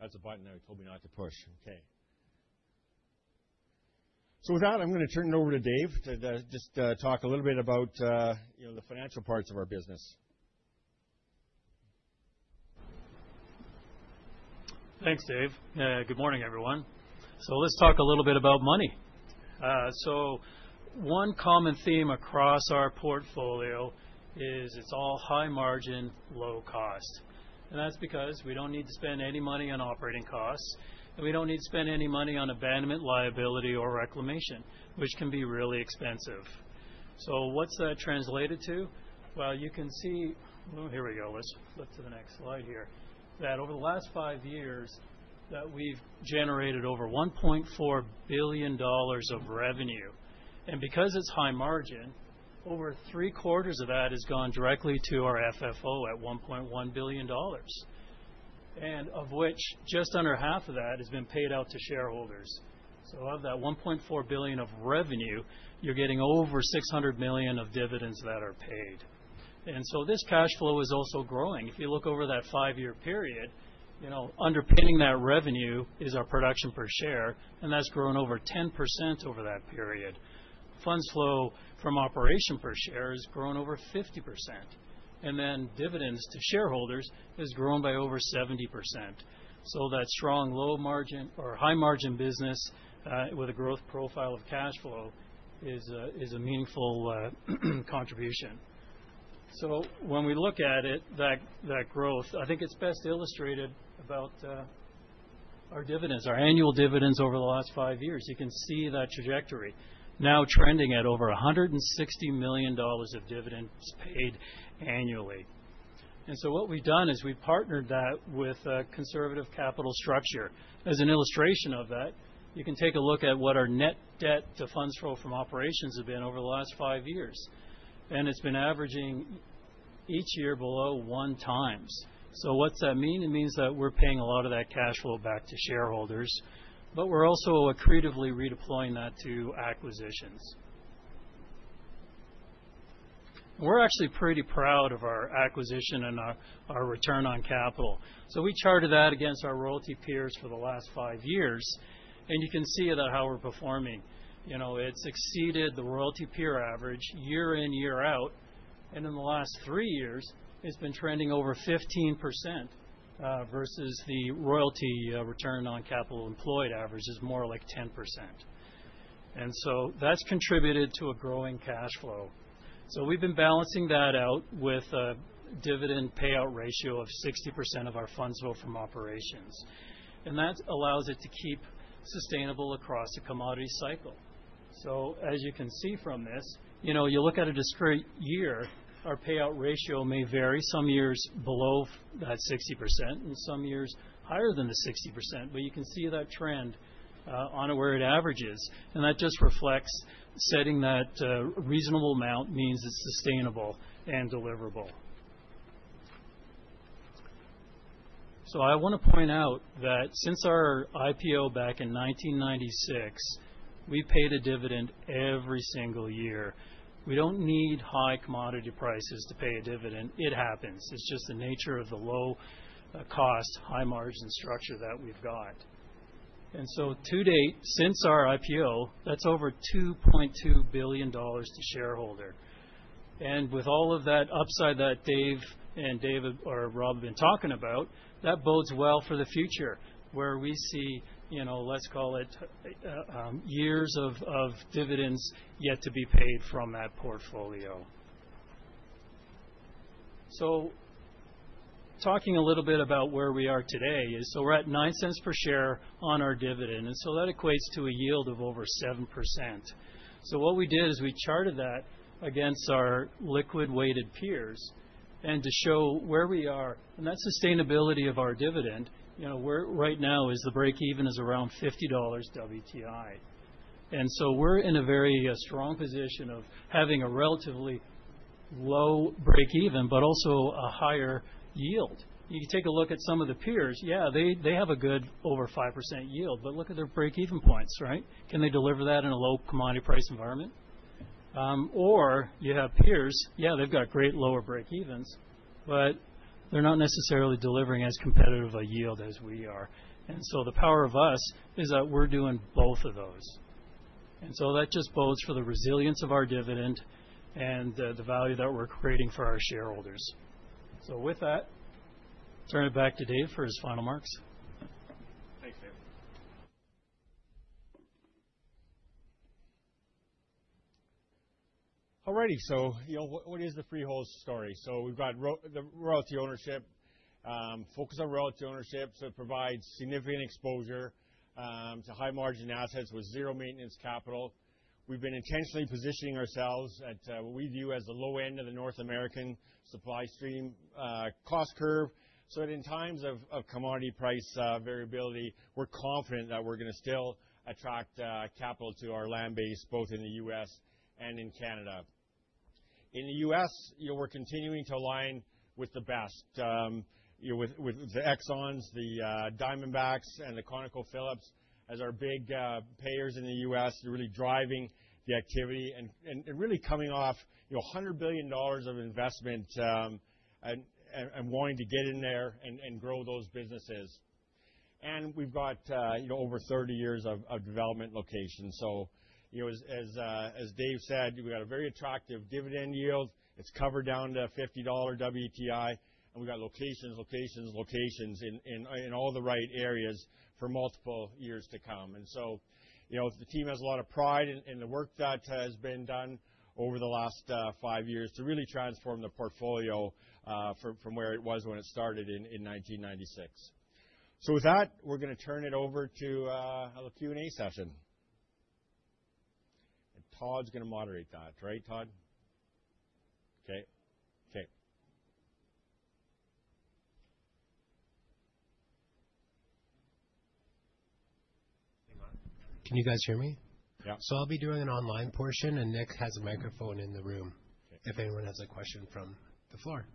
That's a button that he told me not to push. Okay. So with that, I'm going to turn it over to Dave to just talk a little bit about the financial parts of our business. Thanks, Dave. Good morning, everyone. So let's talk a little bit about money. So one common theme across our portfolio is it's all high margin, low cost. And that's because we don't need to spend any money on operating costs. And we don't need to spend any money on abandonment, liability, or reclamation, which can be really expensive. So what's that translated to? Well, you can see here we go. Let's flip to the next slide here. That over the last five years, we've generated over $1.4 billion of revenue. And because it's high margin, over 3/4 of that has gone directly to our FFO at $1.1 billion, of which just under half of that has been paid out to shareholders. So of that 1.4 billion of revenue, you're getting over 600 million of dividends that are paid. And so this cash flow is also growing. If you look over that five-year period, underpinning that revenue is our production per share. That's grown over 10% over that period. Funds flow from operation per share has grown over 50%. Dividends to shareholders has grown by over 70%. That strong low margin or high margin business with a growth profile of cash flow is a meaningful contribution. When we look at it, that growth, I think it's best illustrated about our dividends, our annual dividends over the last five years. You can see that trajectory now trending at over $160 million of dividends paid annually. What we've done is we've partnered that with a conservative capital structure. As an illustration of that, you can take a look at what our net debt to funds flow from operations has been over the last five years. It's been averaging each year below one times. What's that mean? It means that we're paying a lot of that cash flow back to shareholders, but we're also accretively redeploying that to acquisitions. We're actually pretty proud of our acquisition and our return on capital, so we charted that against our royalty peers for the last five years, and you can see how we're performing. It's exceeded the royalty peer average year in, year out, and in the last three years, it's been trending over 15% versus the royalty return on capital employed average is more like 10%, and so that's contributed to a growing cash flow, so we've been balancing that out with a dividend payout ratio of 60% of our funds flow from operations, and that allows it to keep sustainable across the commodity cycle. As you can see from this, you look at a discrete year, our payout ratio may vary some years below that 60% and some years higher than the 60%. But you can see that trend on where it averages. That just reflects setting that reasonable amount means it's sustainable and deliverable. I want to point out that since our IPO back in 1996, we paid a dividend every single year. We don't need high commodity prices to pay a dividend. It happens. It's just the nature of the low cost, high margin structure that we've got. To date, since our IPO, that's over $2.2 billion to shareholder. With all of that upside that Dave and David or Rob have been talking about, that bodes well for the future, where we see, let's call it, years of dividends yet to be paid from that portfolio. Talking a little bit about where we are today, we're at 0.09 per share on our dividend. That equates to a yield of over 7%. What we did is we charted that against our liquid-weighted peers. To show where we are and that sustainability of our dividend, right now the break-even is around $50 WTI. We're in a very strong position of having a relatively low break-even, but also a higher yield. You take a look at some of the peers, yeah, they have a good over 5% yield. But look at their break-even points, right? Can they deliver that in a low commodity price environment? Or you have peers, yeah, they've got great lower break-evens, but they're not necessarily delivering as competitive a yield as we are. And so the power of us is that we're doing both of those. And so that just bodes for the resilience of our dividend and the value that we're creating for our shareholders. So with that, turn it back to Dave for his final remarks. Thanks, Dave. All righty. So what is the Freehold's story? So we've got the royalty ownership, focus on royalty ownership. So it provides significant exposure to high margin assets with zero maintenance capital. We've been intentionally positioning ourselves at what we view as the low end of the North American supply stream cost curve. So in times of commodity price variability, we're confident that we're going to still attract capital to our land base, both in the U.S. and in Canada. In the U.S., we're continuing to align with the best, with the Exxons, the Diamondbacks, and the ConocoPhillips as our big payers in the U.S., really driving the activity and really coming off $100 billion of investment and wanting to get in there and grow those businesses. And we've got over 30 years of development locations. So as Dave said, we've got a very attractive dividend yield. It's covered down to $50 WTI. And we've got locations, locations, locations in all the right areas for multiple years to come. And so the team has a lot of pride in the work that has been done over the last five years to really transform the portfolio from where it was when it started in 1996. So with that, we're going to turn it over to the Q&A session. And Todd's going to moderate that, right, Todd? Okay. Okay. Can you guys hear me? Yeah. So I'll be doing an online portion. And Nick has a microphone in the room if anyone has a question from the floor.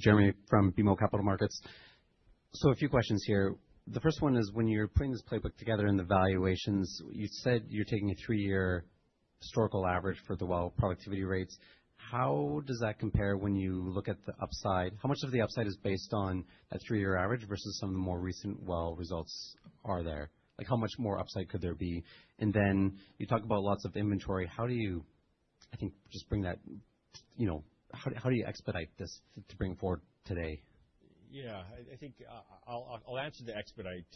Jeremy from BMO Capital Markets. So a few questions here. The first one is when you're putting this playbook together and the valuations, you said you're taking a three-year historical average for the well productivity rates. How does that compare when you look at the upside? How much of the upside is based on that three-year average versus some of the more recent well results are there? How much more upside could there be? And then you talk about lots of inventory. How do you, I think, just bring that? How do you expedite this to bring forward today? Yeah. I think I'll answer the expedite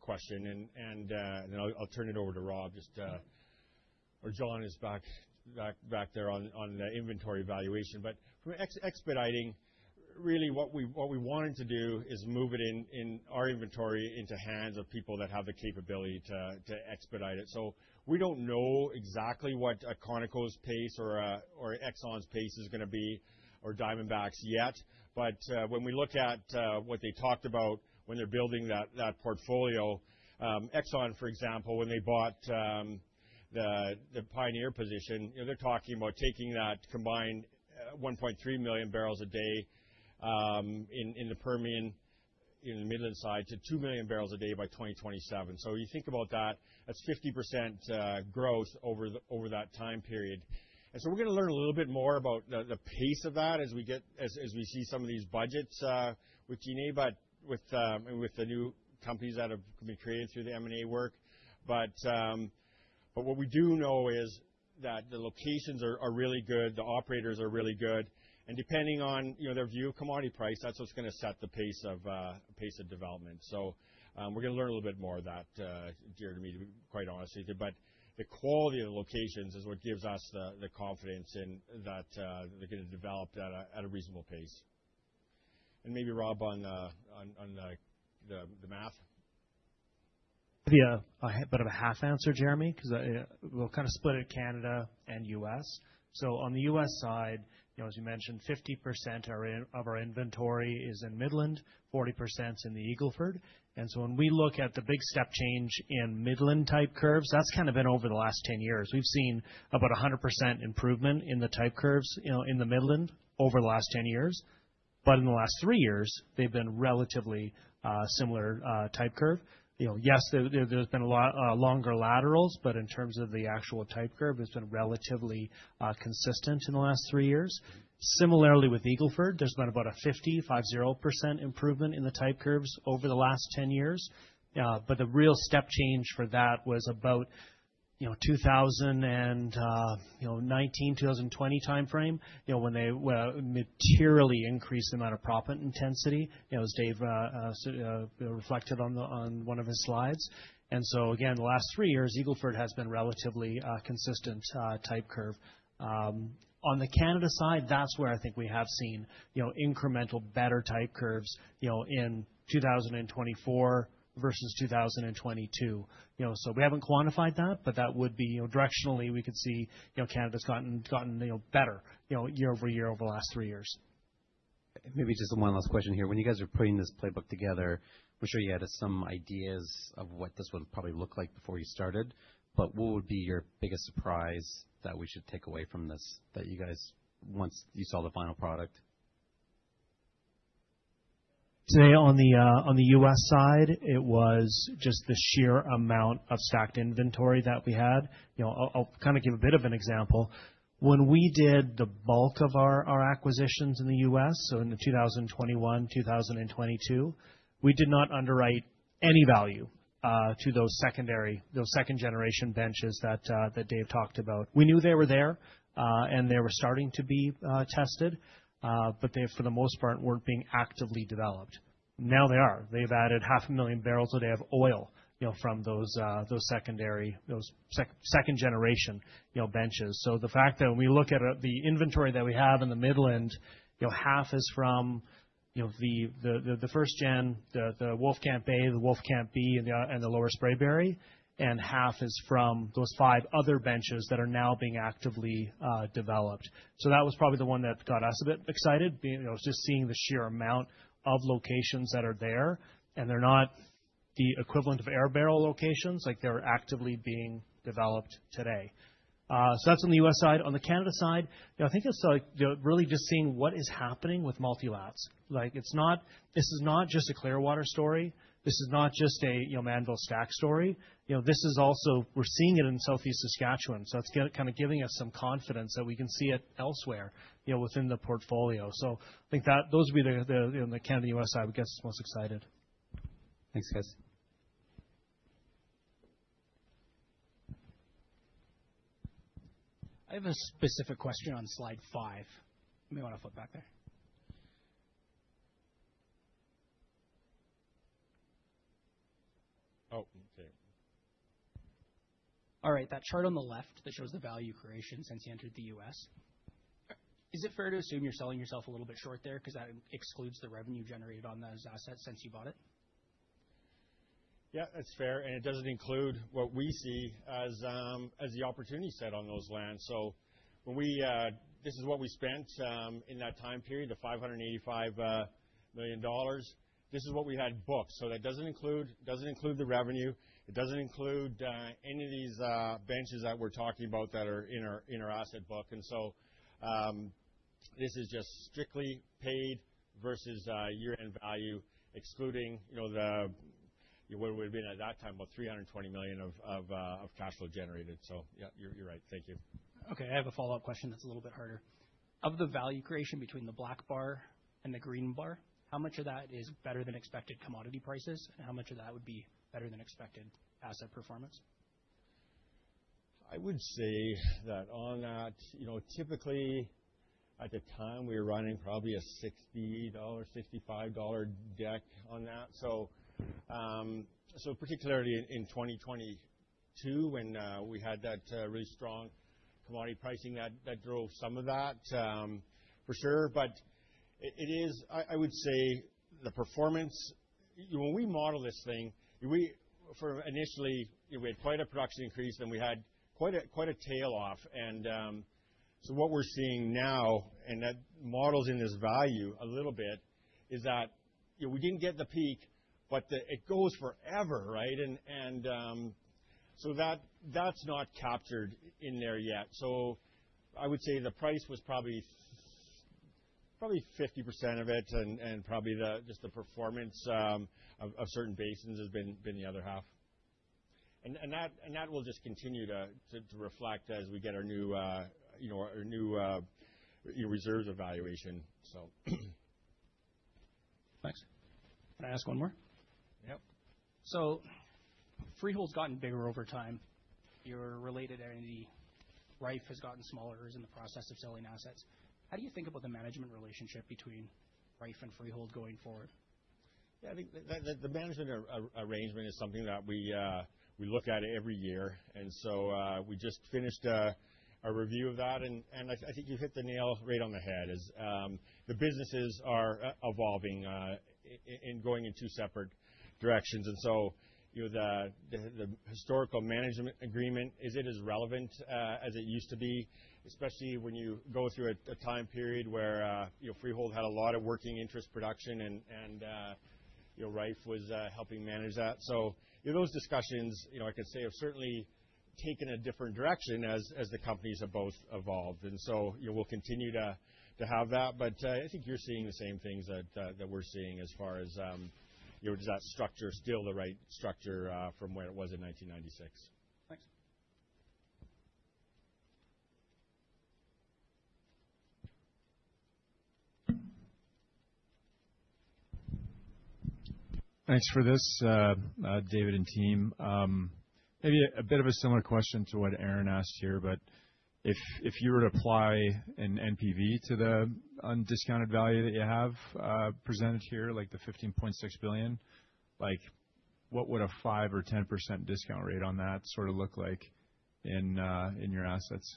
question. And then I'll turn it over to Rob or John, who's back there, on the inventory valuation. But expediting, really what we wanted to do is move it in our inventory into hands of people that have the capability to expedite it. So we don't know exactly what a Conoco's pace or Exxon's pace is going to be or Diamondback's yet. But when we look at what they talked about when they're building that portfolio, Exxon, for example, when they bought the Pioneer position, they're talking about taking that combined 1.3 million barrels a day in the Permian, in the Midland side, to 2 million barrels a day by 2027. So you think about that, that's 50% growth over that time period. We're going to learn a little bit more about the pace of that as we see some of these budgets with G&A and with the new companies that have been created through the M&A work. But what we do know is that the locations are really good. The operators are really good. And depending on their view of commodity price, that's what's going to set the pace of development. So we're going to learn a little bit more of that, dear to me, to be quite honest with you. But the quality of the locations is what gives us the confidence that they're going to develop at a reasonable pace. And maybe Rob on the math. Maybe a bit of a half answer, Jeremy, because we'll kind of split it Canada and US. So on the US side, as you mentioned, 50% of our inventory is in Midland, 40% in the Eagle Ford. And so when we look at the big step change in Midland type curves, that's kind of been over the last 10 years. We've seen about 100% improvement in the type curves in the Midland over the last 10 years. But in the last three years, they've been relatively similar type curve. Yes, there's been a lot longer laterals. But in terms of the actual type curve, it's been relatively consistent in the last three years. Similarly, with Eagle Ford, there's been about a 50, 50% improvement in the type curves over the last 10 years. But the real step change for that was about the 2019-2020 timeframe when they materially increased the amount of proppant intensity, as Dave reflected on one of his slides, and so again, the last three years, Eagle Ford has been relatively consistent type curve. On the Canada side, that's where I think we have seen incremental better type curves in 2024 versus 2022, so we haven't quantified that, but that would be directionally, we could see Canada's gotten better year-over-year over the last three years. Maybe just one last question here. When you guys are putting this playbook together, I'm sure you had some ideas of what this would probably look like before you started, but what would be your biggest surprise that we should take away from this that you guys once you saw the final product? Today, on the U.S. side, it was just the sheer amount of stacked inventory that we had. I'll kind of give a bit of an example. When we did the bulk of our acquisitions in the U.S., so in 2021, 2022, we did not underwrite any value to those second-generation benches that Dave talked about. We knew they were there and they were starting to be tested, but they, for the most part, weren't being actively developed. Now they are. They've added 500,000 barrels a day of oil from those second-generation benches. So the fact that when we look at the inventory that we have in the Midland, half is from the first gen, the Wolfcamp A, the Wolfcamp B, and the lower Spraberry, and half is from those five other benches that are now being actively developed. That was probably the one that got us a bit excited, just seeing the sheer amount of locations that are there. And they're not the equivalent of air barrel locations like they're actively being developed today. That's on the US side. On the Canada side, I think it's really just seeing what is happening with multi-lats. This is not just a Clearwater story. This is not just a Mannville Stack story. This is also we're seeing it in Southeast Saskatchewan. It's kind of giving us some confidence that we can see it elsewhere within the portfolio. I think those would be the Canada and US side we get most excited. Thanks, guys. I have a specific question on slide five. Let me want to flip back there. Oh, okay. All right. That chart on the left that shows the value creation since you entered the U.S., is it fair to assume you're selling yourself a little bit short there because that excludes the revenue generated on those assets since you bought it? Yeah, that's fair. And it doesn't include what we see as the opportunity set on those lands. So this is what we spent in that time period, the $585 million. This is what we had booked. So that doesn't include the revenue. It doesn't include any of these benches that we're talking about that are in our asset book. And so this is just strictly paid versus year-end value, excluding what it would have been at that time, about $320 million of cash flow generated. So yeah, you're right. Thank you. Okay. I have a follow-up question that's a little bit harder. Of the value creation between the black bar and the green bar, how much of that is better than expected commodity prices? And how much of that would be better than expected asset performance? I would say that on that, typically, at the time, we were running probably a $60-$65 deck on that. So particularly in 2022, when we had that really strong commodity pricing, that drove some of that, for sure. But I would say the performance, when we model this thing, initially, we had quite a production increase. Then we had quite a tail off. And so what we're seeing now, and that models in this value a little bit, is that we didn't get the peak, but it goes forever, right? And so that's not captured in there yet. So I would say the price was probably 50% of it. And probably just the performance of certain basins has been the other half. And that will just continue to reflect as we get our new reserves evaluation, so. Thanks. Can I ask one more? Yeah. Freehold's gotten bigger over time. Your related entity, Rife, has gotten smaller in the process of selling assets. How do you think about the management relationship between Rife and Freehold going forward? Yeah. I think the management arrangement is something that we look at every year. And so we just finished a review of that. And I think you hit the nail right on the head as the businesses are evolving and going in two separate directions. And so the historical management agreement, is it as relevant as it used to be, especially when you go through a time period where Freehold had a lot of working interest production and Rife was helping manage that? So those discussions, I could say, have certainly taken a different direction as the companies have both evolved. And so we'll continue to have that. But I think you're seeing the same things that we're seeing as far as is that structure still the right structure from where it was in 1996? Thanks. Thanks for this, David and team. Maybe a bit of a similar question to what Aaron asked here. But if you were to apply an NPV to the discounted value that you have presented here, like the 15.6 billion, what would a 5% or 10% discount rate on that sort of look like in your assets?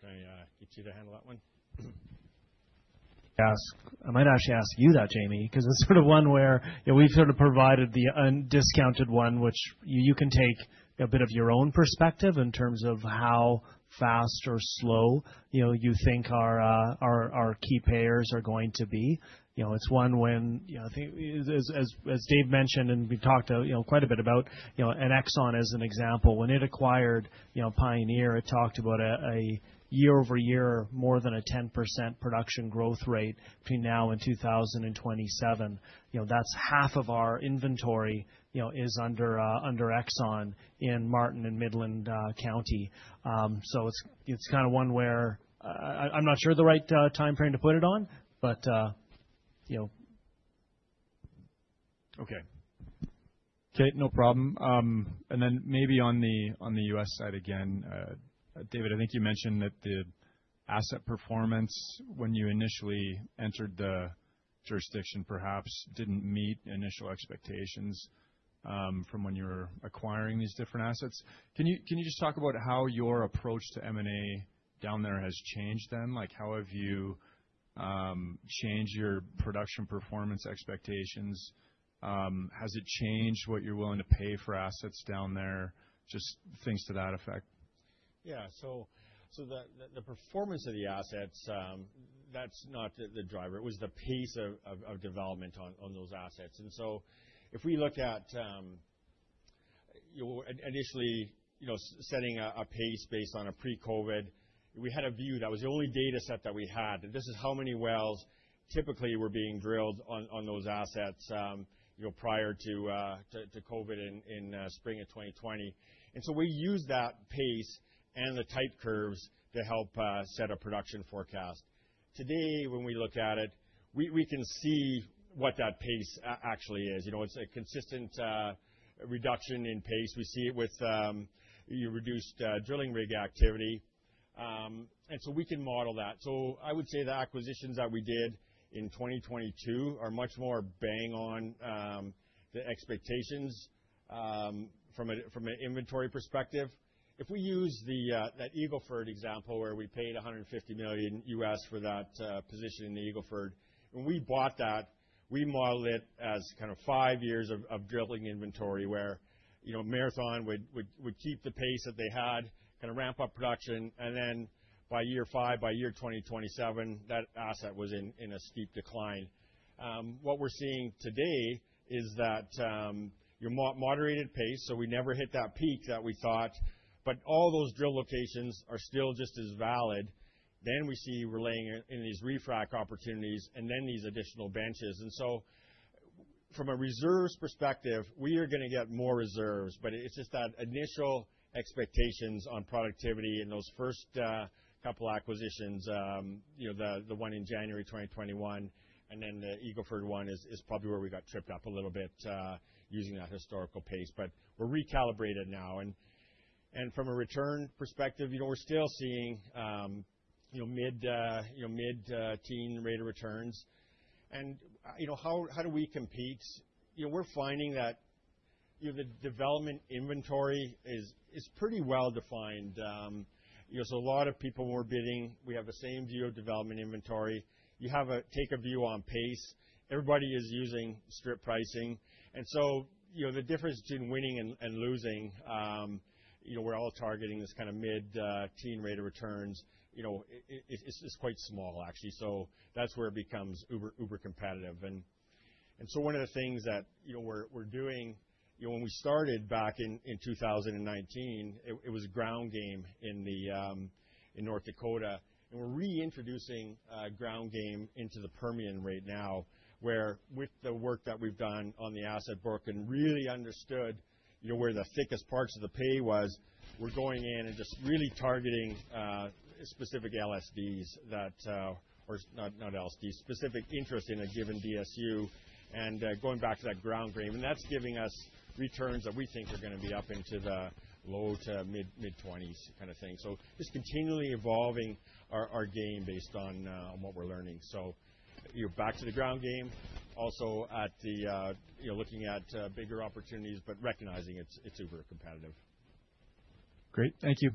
Can I get you to handle that one? So I might actually ask you that, Jamie, because it's sort of one where we've sort of provided the discounted one, which you can take a bit of your own perspective in terms of how fast or slow you think our key players are going to be. It's one where, as Dave mentioned, and we've talked quite a bit about, and Exxon as an example. When it acquired Pioneer, it talked about a year-over-year more than 10% production growth rate between now and 2027. That's half of our inventory under Exxon in Martin and Midland County. So it's kind of one where I'm not sure the right time frame to put it on, but. Okay. Okay. No problem. And then maybe on the U.S. side again, David, I think you mentioned that the asset performance when you initially entered the jurisdiction perhaps didn't meet initial expectations from when you were acquiring these different assets. Can you just talk about how your approach to M&A down there has changed then? How have you changed your production performance expectations? Has it changed what you're willing to pay for assets down there, just things to that effect? Yeah. So the performance of the assets, that's not the driver. It was the pace of development on those assets. And so if we look at initially setting a pace based on a pre-COVID, we had a view. That was the only data set that we had. And this is how many wells typically were being drilled on those assets prior to COVID in spring of 2020. And so we used that pace and the tight curves to help set a production forecast. Today, when we look at it, we can see what that pace actually is. It's a consistent reduction in pace. We see it with reduced drilling rig activity. And so we can model that. So I would say the acquisitions that we did in 2022 are much more bang on the expectations from an inventory perspective. If we use that Eagle Ford example where we paid $150 million for that position in the Eagle Ford, when we bought that, we modeled it as kind of five years of drilling inventory where Marathon would keep the pace that they had, kind of ramp up production, and then by year five, by year 2027, that asset was in a steep decline. What we're seeing today is that your moderated pace, so we never hit that peak that we thought, but all those drill locations are still just as valid, then we see we're laying in these re-frac opportunities and then these additional benches, and so from a reserves perspective, we are going to get more reserves. But it's just that initial expectations on productivity in those first couple acquisitions, the one in January 2021 and then the Eagle Ford one is probably where we got tripped up a little bit using that historical pace. But we're recalibrated now. And from a return perspective, we're still seeing mid-teen rate of returns. And how do we compete? We're finding that the development inventory is pretty well defined. So a lot of people were bidding. We have the same view of development inventory. You have to take a view on pace. Everybody is using strip pricing. And so the difference between winning and losing, we're all targeting this kind of mid-teen rate of returns. It's quite small, actually. So that's where it becomes uber competitive. And so one of the things that we're doing, when we started back in 2019, it was Ground Game in North Dakota. And we're reintroducing Ground Game into the Permian right now, where with the work that we've done on the asset book and really understood where the thickest parts of the pay was, we're going in and just really targeting specific LSDs or not LSDs, specific interest in a given DSU. And going back to that Ground Game, and that's giving us returns that we think are going to be up into the low-to-mid 20s kind of thing. We're just continually evolving our game based on what we're learning. We're back to the Ground Game, also looking at bigger opportunities, but recognizing it's uber competitive. Great. Thank you.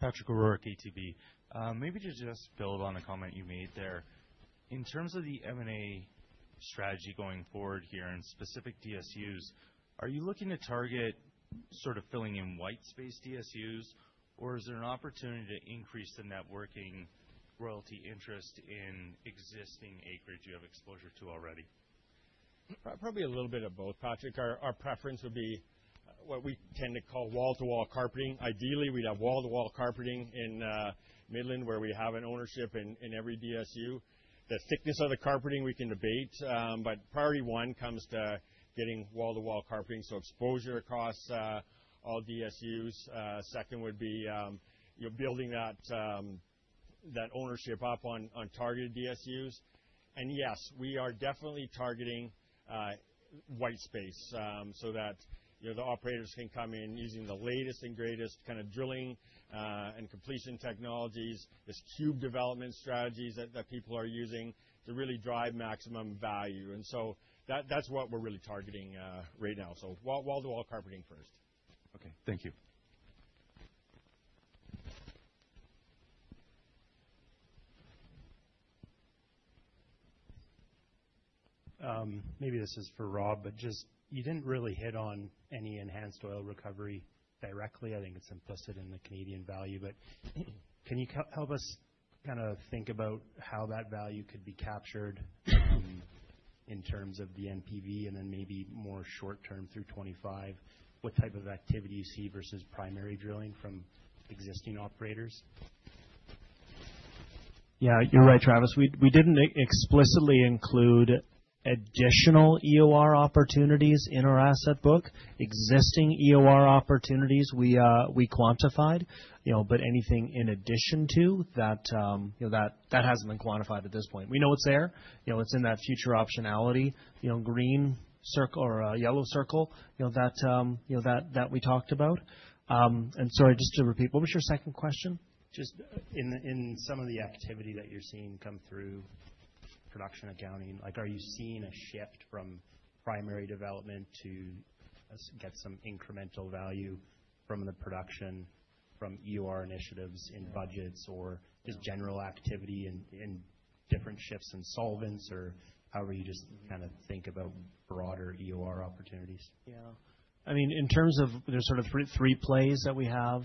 Patrick O'Rourke, ATB. Maybe to just build on a comment you made there, in terms of the M&A strategy going forward here and specific DSUs, are you looking to target sort of filling in white space DSUs, or is there an opportunity to increase the networking royalty interest in existing acreage you have exposure to already? Probably a little bit of both, Patrick. Our preference would be what we tend to call wall-to-wall carpeting. Ideally, we'd have wall-to-wall carpeting in Midland where we have an ownership in every DSU. The thickness of the carpeting, we can debate, but priority one comes to getting wall-to-wall carpeting, so exposure across all DSUs. Second would be building that ownership up on targeted DSUs. Yes, we are definitely targeting white space so that the operators can come in using the latest and greatest kind of drilling and completion technologies, this cube development strategies that people are using to really drive maximum value. That's what we're really targeting right now. Wall-to-wall carpeting first. Okay. Thank you. Maybe this is for Rob, but just you didn't really hit on any enhanced oil recovery directly. I think it's implicit in the Canadian value. But can you help us kind of think about how that value could be captured in terms of the NPV and then maybe more short-term through 2025? What type of activity you see versus primary drilling from existing operators? Yeah. You're right, Travis. We didn't explicitly include additional EOR opportunities in our asset book. Existing EOR opportunities, we quantified. But anything in addition to that, that hasn't been quantified at this point. We know it's there. It's in that future optionality, green circle or yellow circle that we talked about. And sorry, just to repeat, what was your second question? Just in some of the activity that you're seeing come through production accounting, are you seeing a shift from primary development to get some incremental value from the production from EOR initiatives in budgets or just general activity in different shifts in solvents? Or however you just kind of think about broader EOR opportunities. Yeah. I mean, in terms of, there's sort of three plays that we have.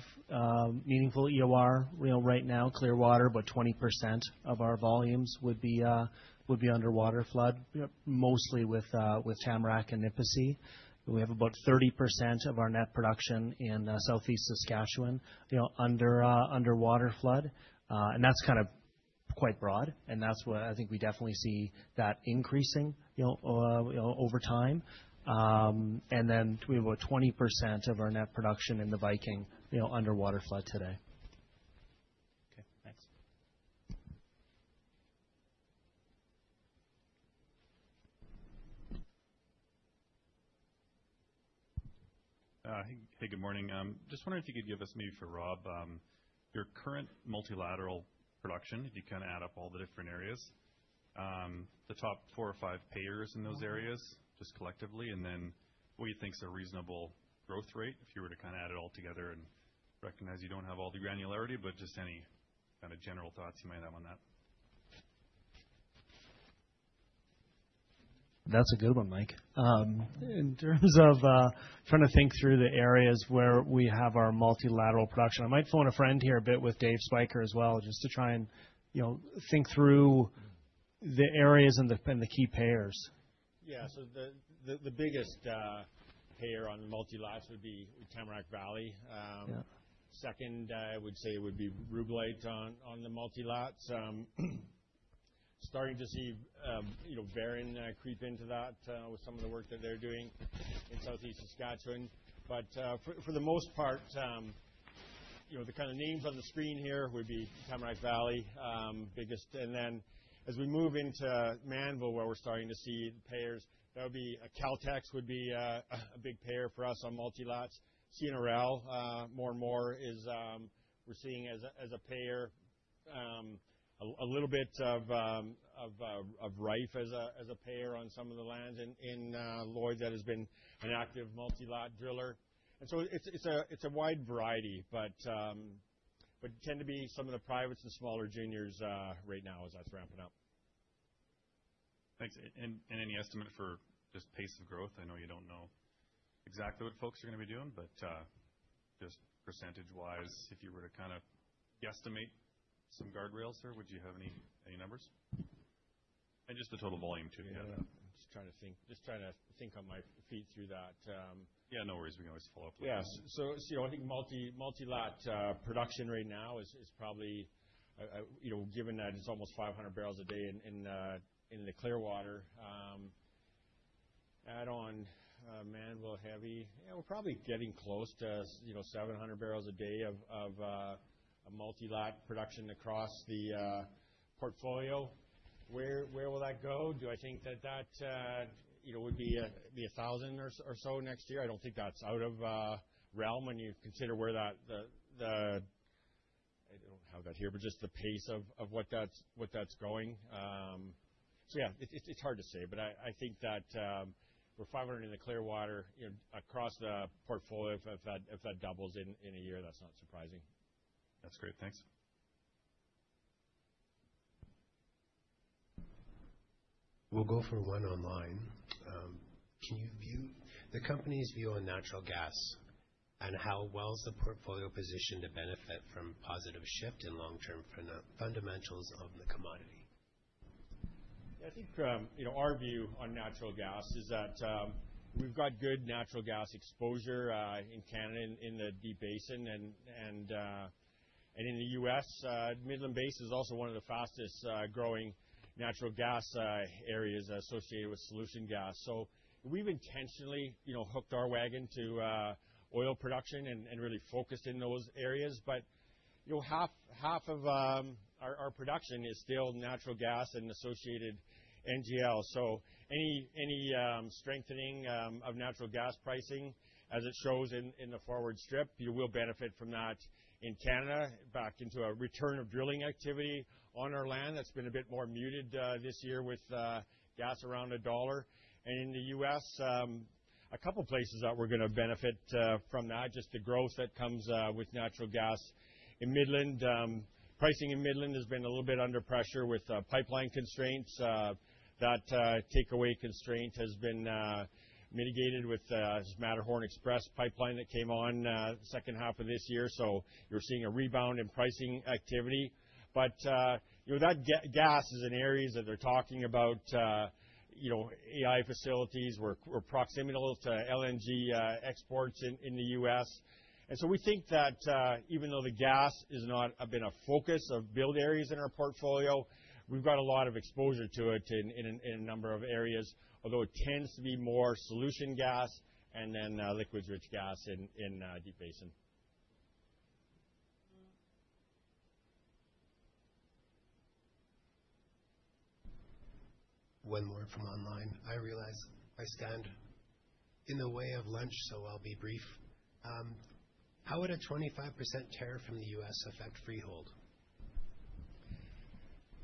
Meaningful EOR right now, Clearwater, about 20% of our volumes would be under water flood, mostly with Tamarack and Nipisi. We have about 30% of our net production in Southeast Saskatchewan under water flood. That's kind of quite broad. That's what I think we definitely see that increasing over time. Then we have about 20% of our net production in the Viking under water flood today. Okay. Thanks. Hey, good morning. Just wondering if you could give us maybe for Rob, your current multilateral production, if you kind of add up all the different areas, the top four or five payers in those areas just collectively, and then what you think is a reasonable growth rate if you were to kind of add it all together and recognize you don't have all the granularity, but just any kind of general thoughts you might have on that? That's a good one, Mike. In terms of trying to think through the areas where we have our multilateral production, I might phone a friend here a bit with Dave Spyker as well just to try and think through the areas and the key players. Yeah, so the biggest payer on the multilaterals would be Tamarack Valley. Second, I would say it would be Rubellite on the multilaterals. Starting to see Veren creep into that with some of the work that they're doing in Southeast Saskatchewan, but for the most part, the kind of names on the screen here would be Tamarack Valley, biggest, and then as we move into Mannville, where we're starting to see payers, that would be Caltex would be a big payer for us on multilaterals. CNRL, more and more, we're seeing as a payer, a little bit of Rife as a payer on some of the lands, and Lloyd that has been an active multilateral driller, and so it's a wide variety, but tend to be some of the privates and smaller juniors right now as that's ramping up. Thanks. And any estimate for just pace of growth? I know you don't know exactly what folks are going to be doing, but just percentage-wise, if you were to kind of guesstimate some guardrails, sir, would you have any numbers? And just the total volume too. Yeah. I'm just trying to think on my feet through that. Yeah. No worries. We can always follow up with that. Yeah, so I think multilateral production right now is probably, given that it's almost 500 barrels a day in the Clearwater, add on Mannville heavy, we're probably getting close to 700 barrels a day of multilateral production across the portfolio. Where will that go? Do I think that that would be 1,000 or so next year? I don't think that's out of realm when you consider where that - I don't have that here, but just the pace of what that's going. So yeah, it's hard to say. But I think that we're 500 in the Clearwater. Across the portfolio, if that doubles in a year, that's not surprising. That's great. Thanks. We'll go for one online. Can you view the company's view on natural gas and how well is the portfolio positioned to benefit from positive shift in long-term fundamentals of the commodity? Yeah. I think our view on natural gas is that we've got good natural gas exposure in Canada in the Deep Basin and in the U.S. Midland Basin is also one of the fastest growing natural gas areas associated with solution gas. So we've intentionally hooked our wagon to oil production and really focused in those areas. But half of our production is still natural gas and associated NGL. So any strengthening of natural gas pricing, as it shows in the forward strip, you will benefit from that in Canada, back into a return of drilling activity on our land. That's been a bit more muted this year with gas around a dollar. And in the U.S., a couple of places that we're going to benefit from that, just the growth that comes with natural gas in Midland. Pricing in Midland has been a little bit under pressure with pipeline constraints. That takeaway constraint has been mitigated with this Matterhorn Express pipeline that came on second half of this year, so you're seeing a rebound in pricing activity, but that gas is an area that they're talking about, LNG facilities, our proximity to LNG exports in the U.S., and so we think that even though the gas has been a focus of build areas in our portfolio, we've got a lot of exposure to it in a number of areas, although it tends to be more solution gas and then liquids-rich gas in Deep Basin. One more from online. I realize I stand in the way of lunch, so I'll be brief. How would a 25% tariff from the U.S. affect Freehold?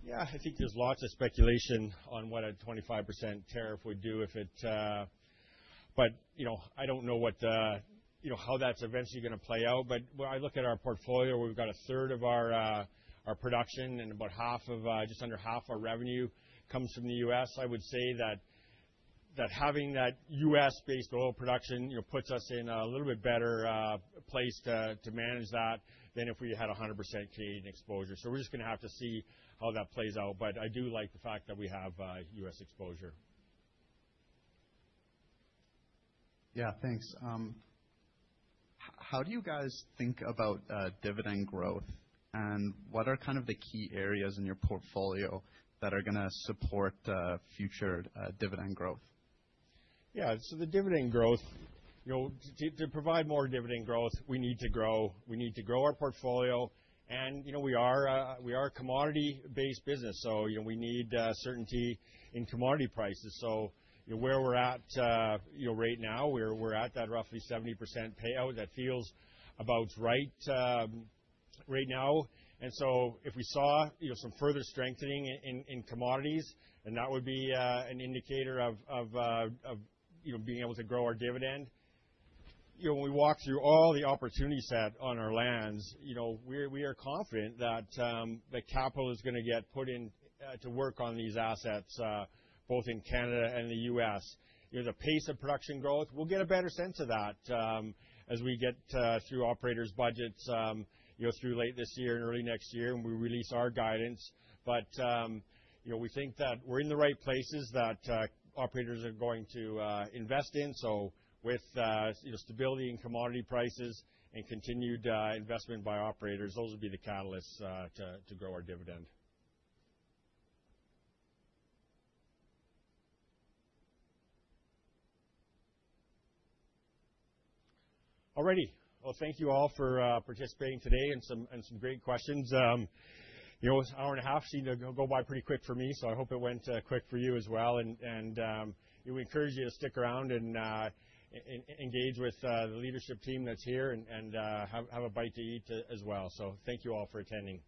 Yeah. I think there's lots of speculation on what a 25% tariff would do if it, but I don't know how that's eventually going to play out. But when I look at our portfolio, we've got a third of our production and about just under half our revenue comes from the U.S. I would say that having that U.S.-based oil production puts us in a little bit better place to manage that than if we had 100% Canadian exposure. So we're just going to have to see how that plays out. But I do like the fact that we have U.S. exposure. Yeah. Thanks. How do you guys think about dividend growth? And what are kind of the key areas in your portfolio that are going to support future dividend growth? Yeah. So the dividend growth, to provide more dividend growth, we need to grow our portfolio. And we are a commodity-based business. So we need certainty in commodity prices. So where we're at right now, we're at that roughly 70% payout. That feels about right now. And so if we saw some further strengthening in commodities, then that would be an indicator of being able to grow our dividend. When we walk through all the opportunities set on our lands, we are confident that the capital is going to get put in to work on these assets, both in Canada and the U.S. The pace of production growth, we'll get a better sense of that as we get through operators' budgets through late this year and early next year when we release our guidance. But we think that we're in the right places that operators are going to invest in. So with stability in commodity prices and continued investment by operators, those would be the catalysts to grow our dividend. All righty. Well, thank you all for participating today and some great questions. An hour and a half seemed to go by pretty quick for me. So I hope it went quick for you as well. And we encourage you to stick around and engage with the leadership team that's here and have a bite to eat as well. So thank you all for attending.